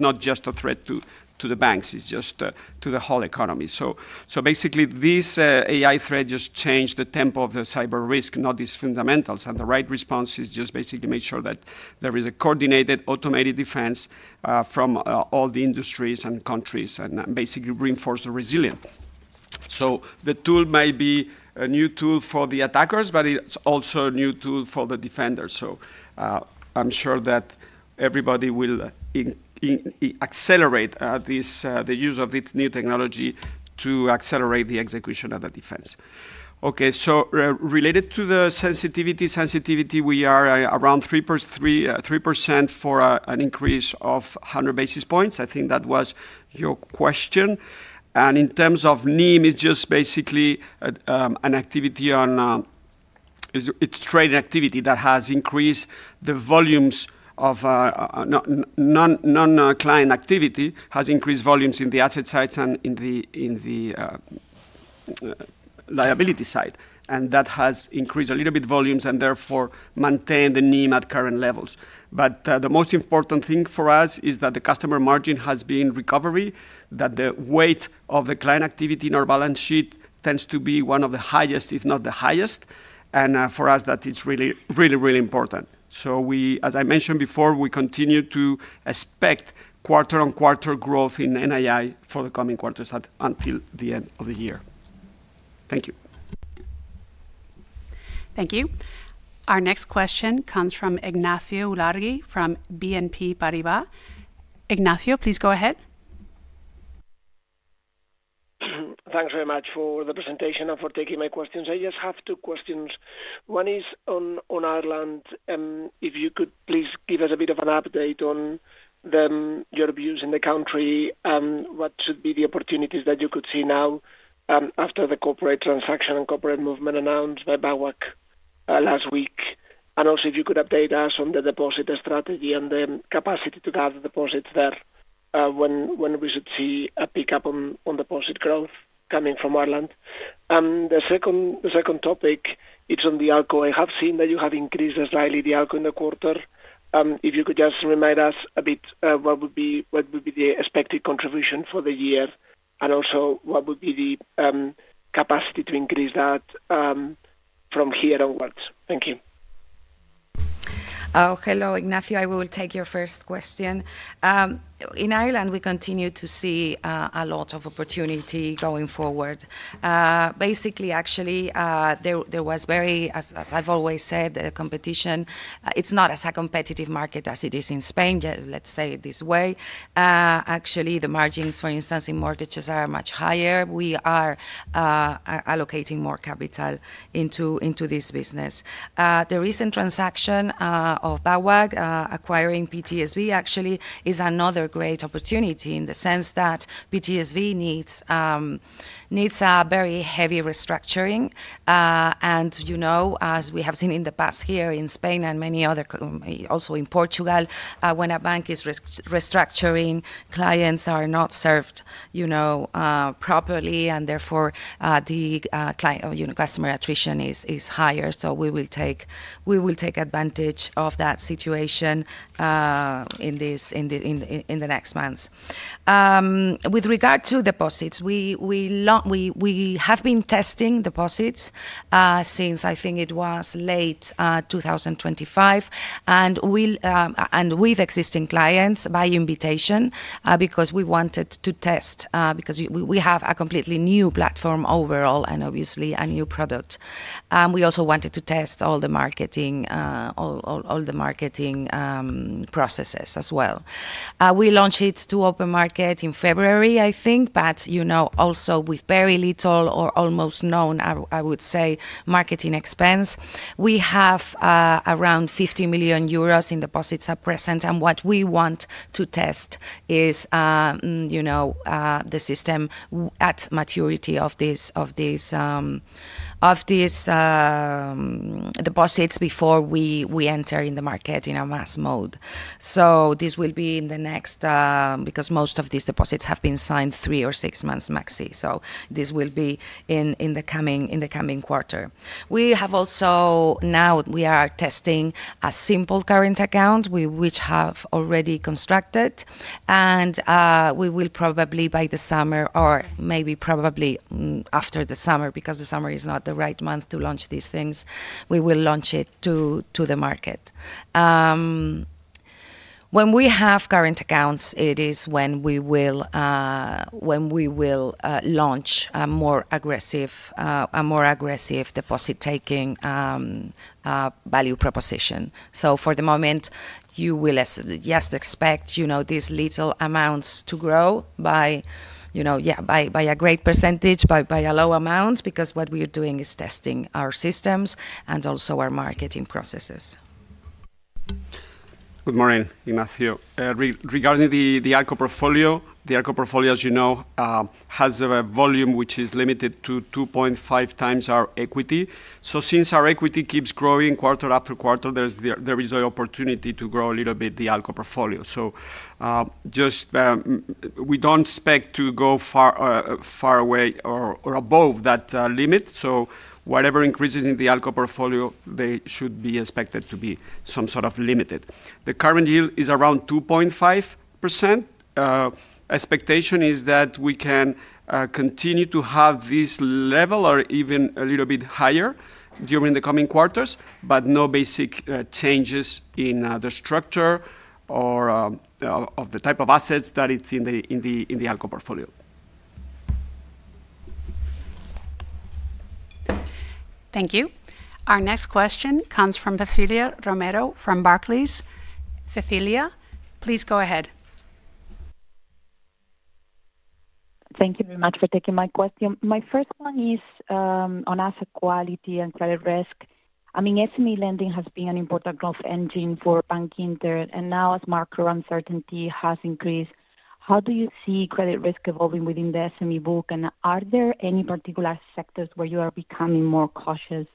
Speaker 3: not just a threat to the banks, it's just to the whole economy. Basically, this AI threat just changed the tempo of the cyber risk, not its fundamentals. The right response is just basically make sure that there is a coordinated automated defense from all the industries and countries, and basically reinforce the resilience. The tool may be a new tool for the attackers, but it's also a new tool for the defenders. I'm sure that everybody will accelerate the use of this new technology to accelerate the execution of the defense. Okay, related to the sensitivity, we are around 3% for an increase of 100 basis points. I think that was your question. In terms of NIM, it's just basically non-client activity. It's trading activity that has increased volumes in the asset side and in the liability side, and that has increased a little bit volumes and therefore maintained the NIM at current levels. The most important thing for us is that the customer margin has been in recovery, that the weight of the client activity in our balance sheet tends to be one of the highest, if not the highest. For us, that is really, really important. As I mentioned before, we continue to expect quarter-on-quarter growth in NII for the coming quarters until the end of the year. Thank you.
Speaker 1: Thank you. Our next question comes from Ignacio Ulargui, from BNP Paribas. Ignacio, please go ahead.
Speaker 9: Thanks very much for the presentation and for taking my questions. I just have two questions. One is on Ireland, if you could please give us a bit of an update on your views in the country, and what should be the opportunities that you could see now after the corporate transaction and corporate movement announced by BAWAG last week, and also if you could update us on the deposit strategy and the capacity to have deposits there, when we should see a pickup on deposit growth coming from Ireland. The second topic, it's on the ALCO. I have seen that you have increased slightly the ALCO in the quarter. If you could just remind us a bit, what would be the expected contribution for the year, and also what would be the capacity to increase that from here onwards. Thank you.
Speaker 2: Oh, hello, Ignacio. I will take your first question. In Ireland, we continue to see a lot of opportunity going forward. Basically, actually, there was very, as I've always said, the competition, it's not as a competitive market as it is in Spain, let's say this way. Actually, the margins, for instance, in mortgages are much higher. We are allocating more capital into this business. The recent transaction of BAWAG acquiring PTSB actually is another great opportunity in the sense that PTSB needs a very heavy restructuring. As we have seen in the past year in Spain. Also in Portugal, when a bank is restructuring, clients are not served properly, and therefore, the customer attrition is higher. We will take advantage of that situation in the next months. With regard to deposits, we have been testing deposits since I think it was late 2025. With existing clients by invitation, because we wanted to test, because we have a completely new platform overall and obviously a new product. We also wanted to test all the marketing processes as well. We launched it to open market in February, I think. Also with very little or almost no, I would say, marketing expense. We have around 50 million euros in deposits at present. What we want to test is the system at maturity of these deposits before we enter in the market in a mass mode. This will be in the coming quarter, because most of these deposits have been signed three or six months max. We have also, now we are testing a simple current account, which we have already constructed. We will probably by the summer or maybe probably after the summer, because the summer is not the right month to launch these things. We will launch it to the market. When we have current accounts, it is when we will launch a more aggressive deposit-taking value proposition. For the moment, you will just expect these little amounts to grow by a great percentage, by a low amount, because what we are doing is testing our systems and also our marketing processes.
Speaker 3: Good morning, Ignacio. Regarding the ALCO portfolio, as you know, has a volume which is limited to 2.5 times our equity. Since our equity keeps growing quarter after quarter, there is the opportunity to grow a little bit the ALCO portfolio. We don't expect to go far away or above that limit. Whatever increases in the ALCO portfolio, they should be expected to be some sort of limited. The current yield is around 2.5%. Expectation is that we can continue to have this level or even a little bit higher during the coming quarters, but no basic changes in the structure or of the type of assets that is in the ALCO portfolio.
Speaker 1: Thank you. Our next question comes from Cecilia Romero from Barclays. Cecilia, please go ahead.
Speaker 10: Thank you very much for taking my question. My first one is on asset quality and credit risk. SME lending has been an important growth engine for Bankinter, and now as macro uncertainty has increased. How do you see credit risk evolving within the SME book, and are there any particular sectors where you are becoming more cautious?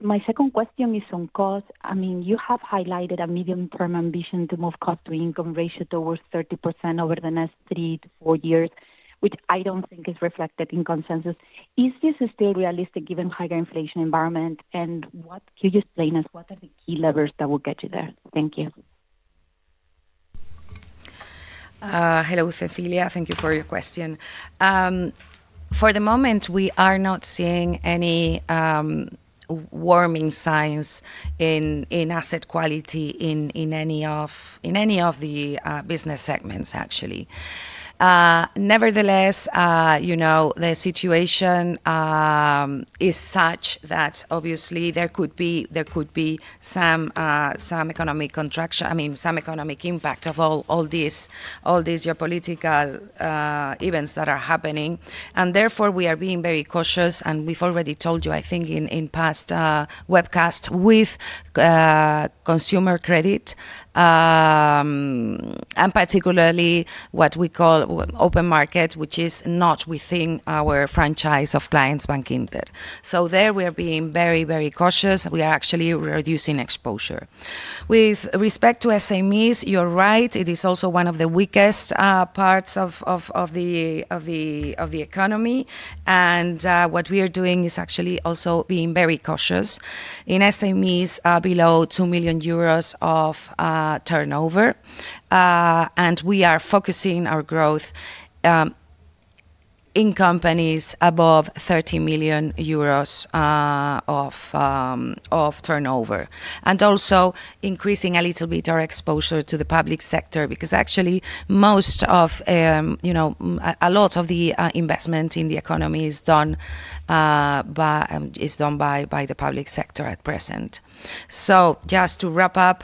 Speaker 10: My second question is on cost. You have highlighted a medium-term ambition to move cost-to-income ratio towards 30% over the next three to four years, which I don't think is reflected in consensus. Is this still realistic given higher inflation environment? Can you explain to us what are the key levers that will get you there? Thank you.
Speaker 2: Hello, Cecilia. Thank you for your question. For the moment, we are not seeing any warming signs in asset quality in any of the business segments, actually. Nevertheless, the situation is such that obviously there could be some economic impact of all these geopolitical events that are happening. Therefore, we are being very cautious, and we've already told you, I think in past webcasts, with consumer credit, and particularly what we call open market, which is not within our franchise of clients, Bankinter. There we are being very cautious. We are actually reducing exposure. With respect to SMEs, you're right, it is also one of the weakest parts of the economy. What we are doing is actually also being very cautious in SMEs below 2 million euros of turnover. We are focusing our growth in companies above 30 million euros of turnover. Also increasing a little bit our exposure to the public sector, because actually a lot of the investment in the economy is done by the public sector at present. Just to wrap up,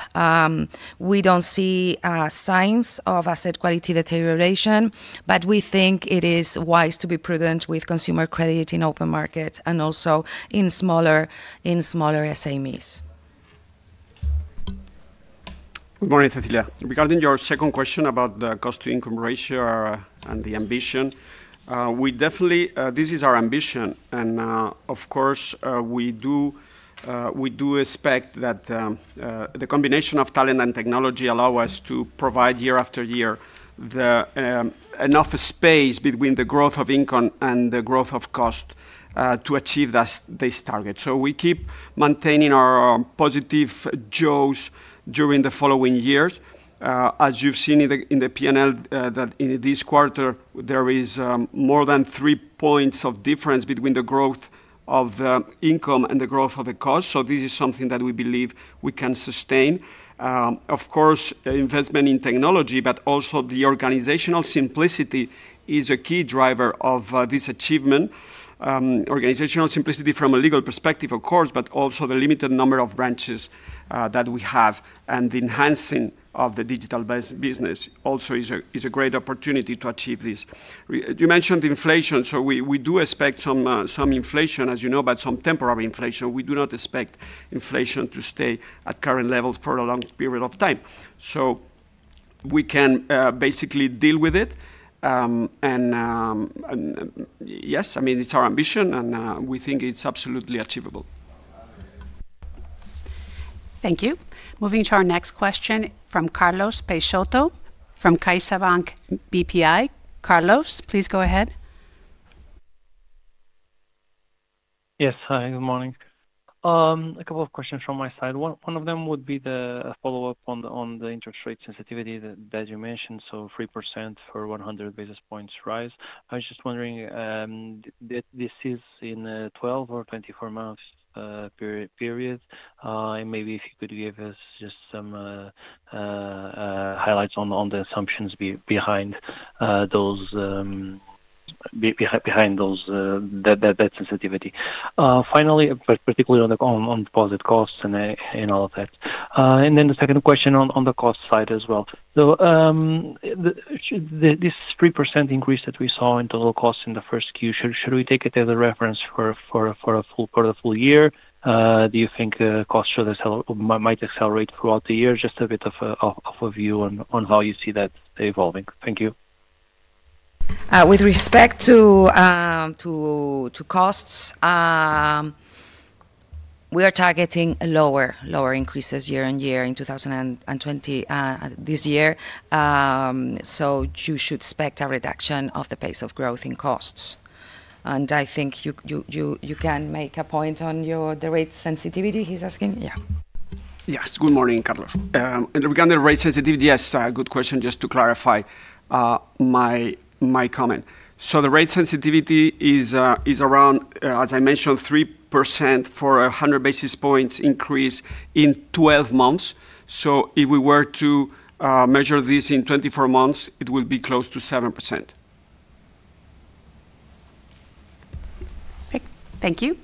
Speaker 2: we don't see signs of asset quality deterioration, but we think it is wise to be prudent with consumer credit in open markets and also in smaller SMEs.
Speaker 3: Good morning, Cecilia Romero. Regarding your second question about the cost-to-income ratio, and the ambition, this is our ambition. Of course, we do expect that the combination of talent and technology allow us to provide year after year, enough space between the growth of income and the growth of cost, to achieve this target. We keep maintaining our positive jaws during the following years. As you've seen in the P&L, that in this quarter, there is more than three points of difference between the growth of income and the growth of the cost. This is something that we believe we can sustain. Of course, investment in technology, but also the organizational simplicity is a key driver of this achievement. Organizational simplicity from a legal perspective, of course, but also the limited number of branches that we have and enhancing of the digital business also is a great opportunity to achieve this. You mentioned inflation, so we do expect some inflation, as you know, but some temporary inflation. We do not expect inflation to stay at current levels for a long period of time. We can basically deal with it, and yes, it's our ambition, and we think it's absolutely achievable.
Speaker 1: Thank you. Moving to our next question from Carlos Peixoto from CaixaBank BPI. Carlos, please go ahead.
Speaker 11: Yes. Hi, good morning. A couple of questions from my side. One of them would be the follow-up on the interest rate sensitivity that you mentioned. 3% for 100 basis points rise. I was just wondering if this is in 12 or 24 months period, and maybe if you could give us just some highlights on the assumptions behind that sensitivity. Finally, particularly on deposit costs and all of that. The second question on the cost side as well. This 3% increase that we saw in total cost in the first Q, should we take it as a reference for the full year? Do you think costs might accelerate throughout the year? Just a bit of a view on how you see that evolving. Thank you.
Speaker 2: With respect to costs, we are targeting lower increases year on year in 2026, this year. You should expect a reduction of the pace of growth in costs. I think you can make a point on the rate sensitivity he's asking. Yeah.
Speaker 3: Yes. Good morning, Carlos. Regarding the rate sensitivity, yes, good question. Just to clarify my comment. The rate sensitivity is around, as I mentioned, 3% for 100 basis points increase in 12 months. If we were to measure this in 24 months, it will be close to 7%.
Speaker 1: Okay. Thank you.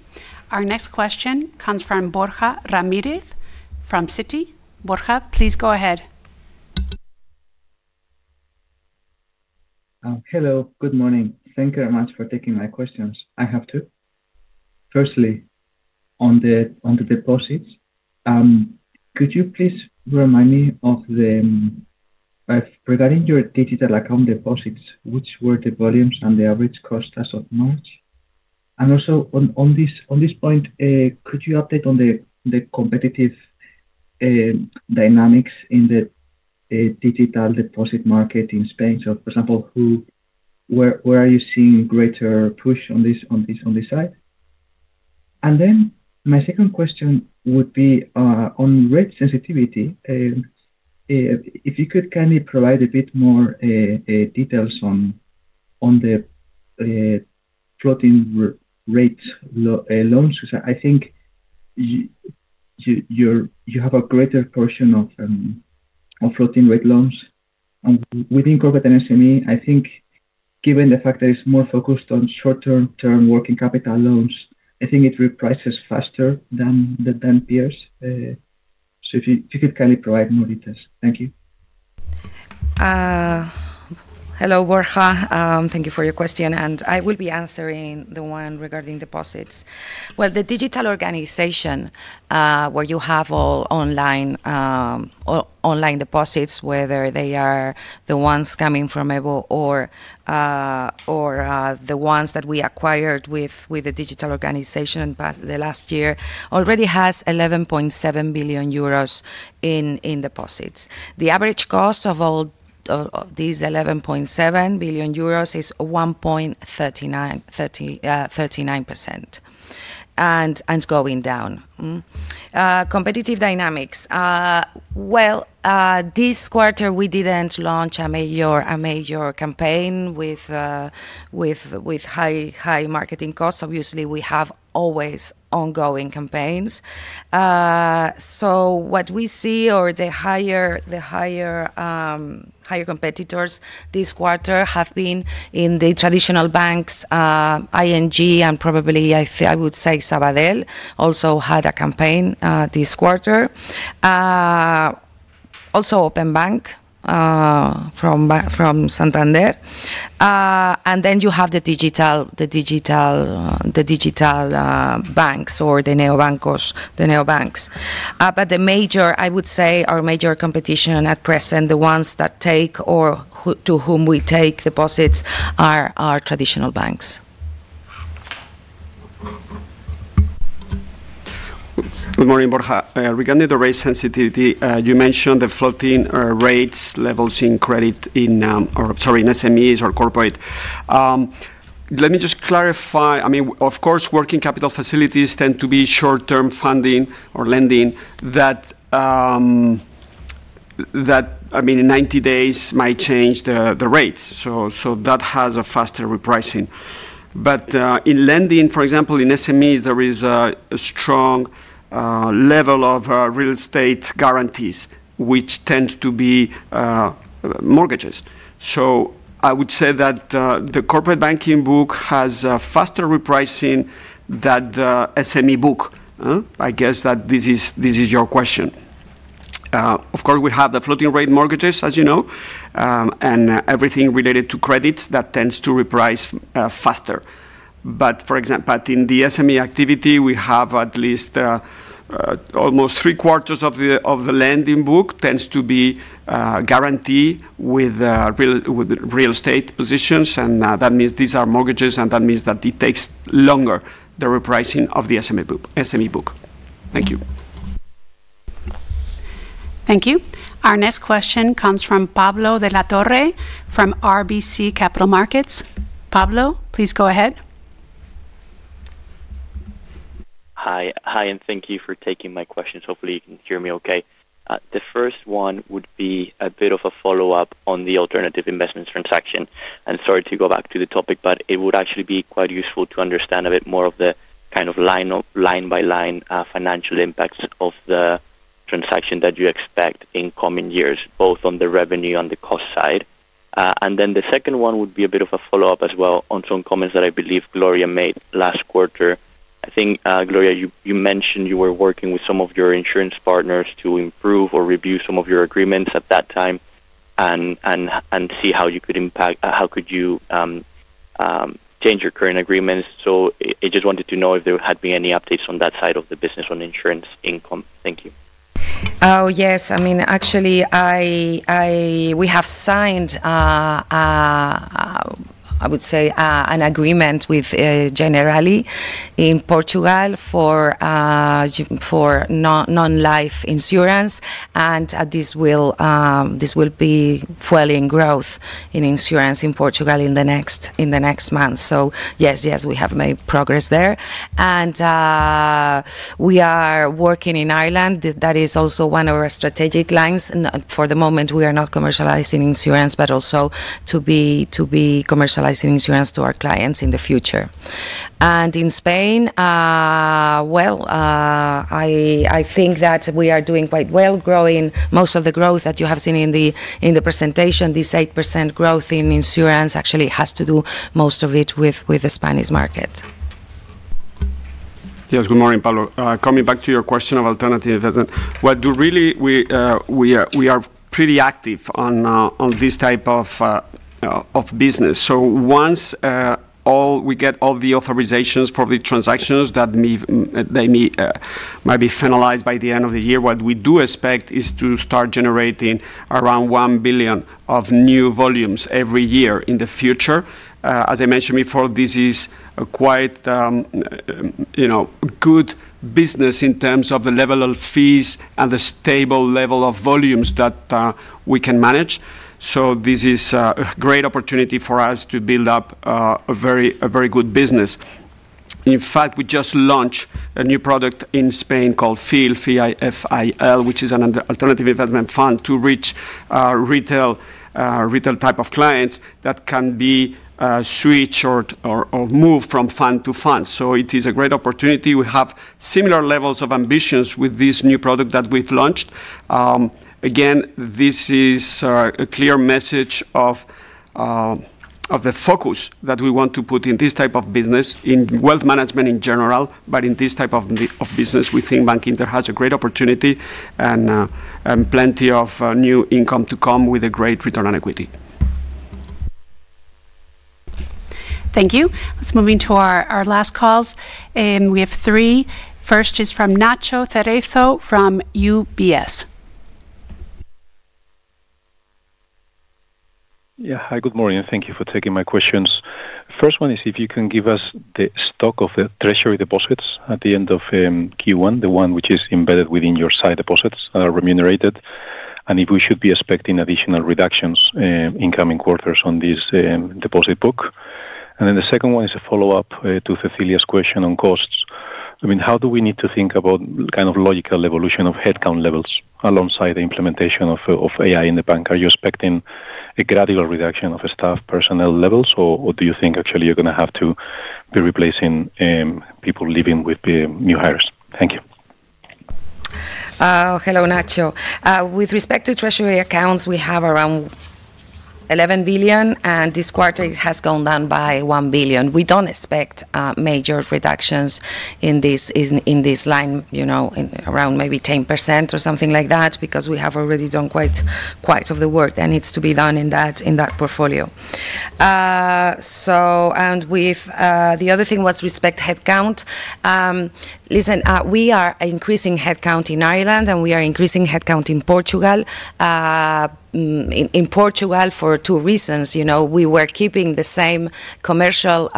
Speaker 1: Our next question comes from Borja Ramirez from Citi. Borja, please go ahead.
Speaker 12: Hello, good morning. Thank you very much for taking my questions. I have two. Firstly, on the deposits, could you please remind me regarding your digital account deposits, what were the volumes and the average cost as of March? Also on this point, could you update on the competitive dynamics in the digital deposit market in Spain? For example, where are you seeing greater push on this side? Then my second question would be on rate sensitivity. If you could kindly provide a bit more details on the floating rate loans, because I think you have a greater portion of floating rate loans. Within corporate and SME, I think given the fact that it's more focused on short-term working capital loans, I think it reprices faster than peers. If you could kindly provide more details. Thank you.
Speaker 2: Hello, Borja. Thank you for your question, and I will be answering the one regarding deposits. Well, the digital organization, where you have all online deposits, whether they are the ones coming from EVO or the ones that we acquired with the digital organization the last year, already has 11.7 billion euros in deposits. The average cost of all these 11.7 billion euros is 1.39% and is going down. Competitive dynamics. Well, this quarter we didn't launch a major campaign with high marketing costs. Obviously, we have always ongoing campaigns. What we see is the higher competitors this quarter have been in the traditional banks, ING, and probably, I would say Sabadell also had a campaign this quarter. Also Openbank from Santander. You have the digital banks or the neobancos, the neobanks. The major, I would say, our major competition at present, the ones that take or to whom we take deposits are traditional banks.
Speaker 3: Good morning, Borja. Regarding the rate sensitivity, you mentioned the floating rates levels in SMEs or corporate. Let me just clarify. Of course, working capital facilities tend to be short-term funding or lending that in 90 days might change the rates. That has a faster repricing. In lending, for example, in SMEs, there is a strong level of real estate guarantees, which tend to be mortgages. I would say that the Corporate Banking book has a faster repricing than the SME book. I guess that this is your question. Of course, we have the floating rate mortgages, as you know, and everything related to credits that tends to reprice faster. In the SME activity, we have at least almost 3/4 of the lending book tends to be guaranteed with real estate positions, and that means these are mortgages, and that means that it takes longer the repricing of the SME book. Thank you.
Speaker 1: Thank you. Our next question comes from Pablo de la Torre from RBC Capital Markets. Pablo, please go ahead.
Speaker 13: Hi, and thank you for taking my questions. Hopefully you can hear me okay. The first one would be a bit of a follow-up on the Alternative Investments transaction. Sorry to go back to the topic, but it would actually be quite useful to understand a bit more of the kind of line by line financial impacts of the transaction that you expect in coming years, both on the revenue and the cost side. Then the second one would be a bit of a follow-up as well on some comments that I believe Gloria made last quarter. I think, Gloria, you mentioned you were working with some of your insurance partners to improve or review some of your agreements at that time and see how you could change your current agreements. I just wanted to know if there had been any updates on that side of the business on insurance income. Thank you.
Speaker 2: Oh, yes. Actually, we have signed, I would say, an agreement with Generali in Portugal for non-life insurance, and this will be fueling growth in insurance in Portugal in the next month. Yes, we have made progress there. We are working in Ireland. That is also one of our strategic lines, and for the moment, we are not commercializing insurance, but also to be commercializing insurance to our clients in the future. In Spain, well, I think that we are doing quite well growing most of the growth that you have seen in the presentation. This 8% growth in insurance actually has to do most of it with the Spanish market.
Speaker 3: Yes, good morning, Pablo. Coming back to your question of alternative, we are pretty active on this type of business. Once we get all the authorizations for the transactions that might be finalized by the end of the year, what we do expect is to start generating around 1 billion of new volumes every year in the future. As I mentioned before, this is a quite good business in terms of the level of fees and the stable level of volumes that we can manage. This is a great opportunity for us to build up a very good business. In fact, we just launched a new product in Spain called FIL, F-I-L, which is an Alternative Investment fund to reach retail type of clients that can be switched or moved from fund to fund. It is a great opportunity. We have similar levels of ambitions with this new product that we've launched. Again, this is a clear message of the focus that we want to put in this type of business, in Wealth Management in general. In this type of business, we think Bankinter has a great opportunity and plenty of new income to come with a great return on equity.
Speaker 1: Thank you. Let's move into our last calls, and we have three. First is from Ignacio Cerezo from UBS.
Speaker 14: Yeah. Hi, good morning. Thank you for taking my questions. First one is if you can give us the stock of the treasury deposits at the end of Q1, the one which is embedded within your sight deposits are remunerated, and if we should be expecting additional reductions in coming quarters on this deposit book. The second one is a follow-up to Cecilia's question on costs. How do we need to think about kind of logical evolution of headcount levels alongside the implementation of AI in the bank? Are you expecting a gradual reduction of staff personnel levels, or do you think actually you're going to have to be replacing people leaving with new hires? Thank you.
Speaker 2: Hello, Ignacio. With respect to treasury accounts, we have around 11 billion, and this quarter it has gone down by 1 billion. We don't expect major reductions in this line, around maybe 10% or something like that, because we have already done quite a bit of the work that needs to be done in that portfolio. The other thing was with respect to headcount. Listen, we are increasing headcount in Ireland, and we are increasing headcount in Portugal. In Portugal for two reasons. We were keeping the same commercial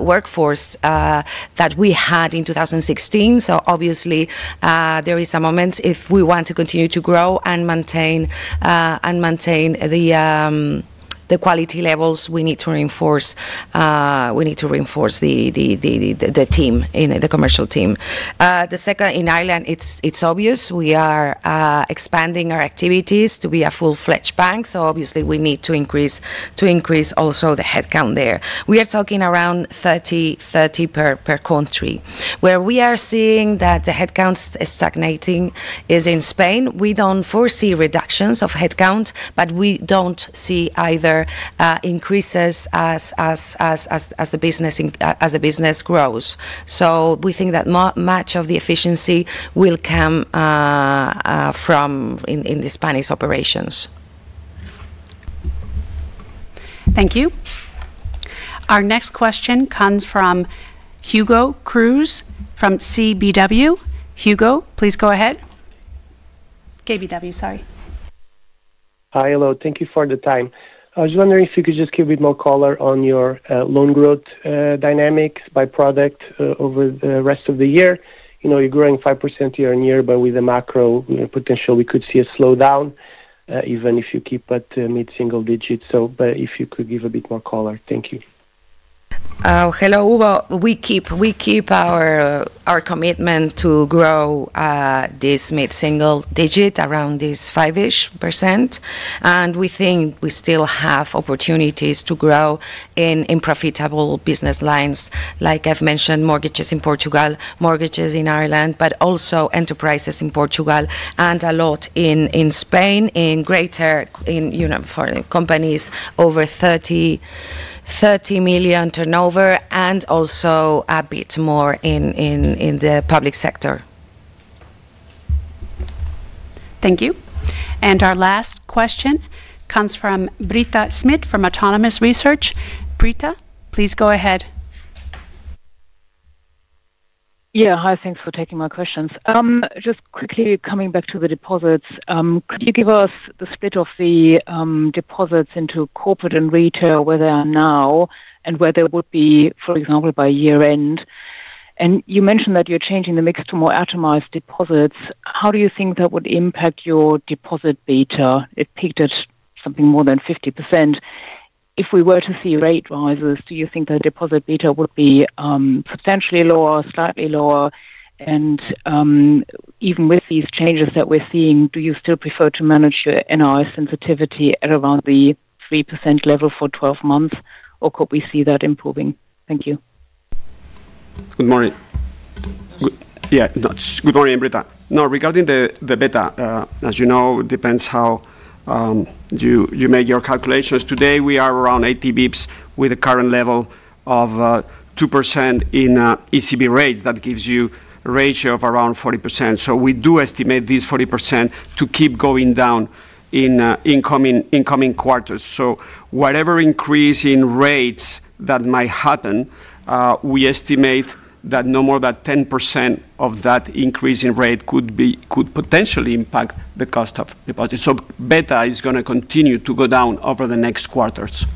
Speaker 2: workforce that we had in 2016. Obviously, there is a moment if we want to continue to grow and maintain the quality levels, we need to reinforce the commercial team. The second, in Ireland, it's obvious, we are expanding our activities to be a full-fledged bank, so obviously we need to increase also the headcount there. We are talking around 30 per country. Where we are seeing that the headcount is stagnating is in Spain. We don't foresee reductions of headcount, but we don't see either increases as the business grows. We think that much of the efficiency will come from in the Spanish operations.
Speaker 1: Thank you. Our next question comes from Hugo Cruz from KBW. Hugo, please go ahead. KBW, sorry.
Speaker 15: Hi. Hello. Thank you for the time. I was wondering if you could just give a bit more color on your loan growth dynamics by product over the rest of the year. You're growing 5% year-over-year, but with the macro potential, we could see a slowdown, even if you keep at mid-single digits. If you could give a bit more color. Thank you.
Speaker 2: Hello, Hugo. We keep our commitment to grow this mid-single digit around this 5%, and we think we still have opportunities to grow in profitable business lines, like I've mentioned, mortgages in Portugal, mortgages in Ireland, but also enterprises in Portugal, and a lot in Spain, in foreign companies over 30 million turnover, and also a bit more in the public sector.
Speaker 1: Thank you. Our last question comes from Britta Schmidt from Autonomous Research. Britta, please go ahead.
Speaker 16: Yeah. Hi. Thanks for taking my questions. Just quickly coming back to the deposits, could you give us the split of the deposits into corporate and retail, where they are now, and where they would be, for example, by year-end? You mentioned that you're changing the mix to more atomized deposits. How do you think that would impact your deposit beta? It peaked at something more than 50%. If we were to see rate rises, do you think the deposit beta would be substantially lower, slightly lower? Even with these changes that we're seeing, do you still prefer to manage your NI sensitivity at around the 3% level for 12 months, or could we see that improving? Thank you.
Speaker 3: Good morning. Yeah. Good morning, Britta. No, regarding the beta, as you know, it depends how you make your calculations. Today, we are around 80 basis points with a current level of 2% in ECB rates. That gives you a ratio of around 40%. We do estimate this 40% to keep going down in coming quarters. Whatever increase in rates that might happen, we estimate that no more than 10% of that increase in rate could potentially impact the cost of deposits. Beta is going to continue to go down over the next quarters.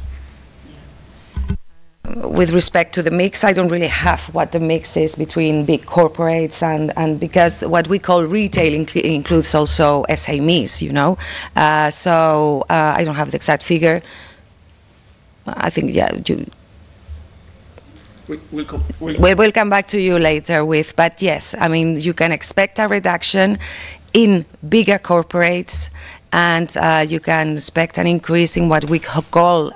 Speaker 2: With respect to the mix, I don't really have what the mix is between big corporates, and because what we call retail includes also SMEs. I don't have the exact figure. I think, yeah.
Speaker 3: We'll come-
Speaker 2: Yes, you can expect a reduction in bigger corporates, and you can expect an increase in what we call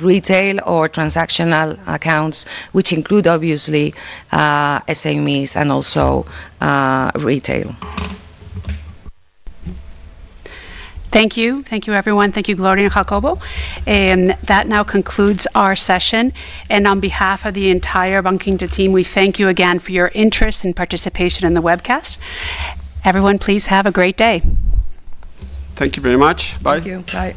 Speaker 2: retail or transactional accounts, which include, obviously, SMEs and also retail.
Speaker 1: Thank you. Thank you, everyone. Thank you, Gloria and Jacobo. That now concludes our session. On behalf of the entire Bankinter team, we thank you again for your interest and participation in the webcast. Everyone, please have a great day.
Speaker 3: Thank you very much. Bye.
Speaker 2: Thank you. Bye.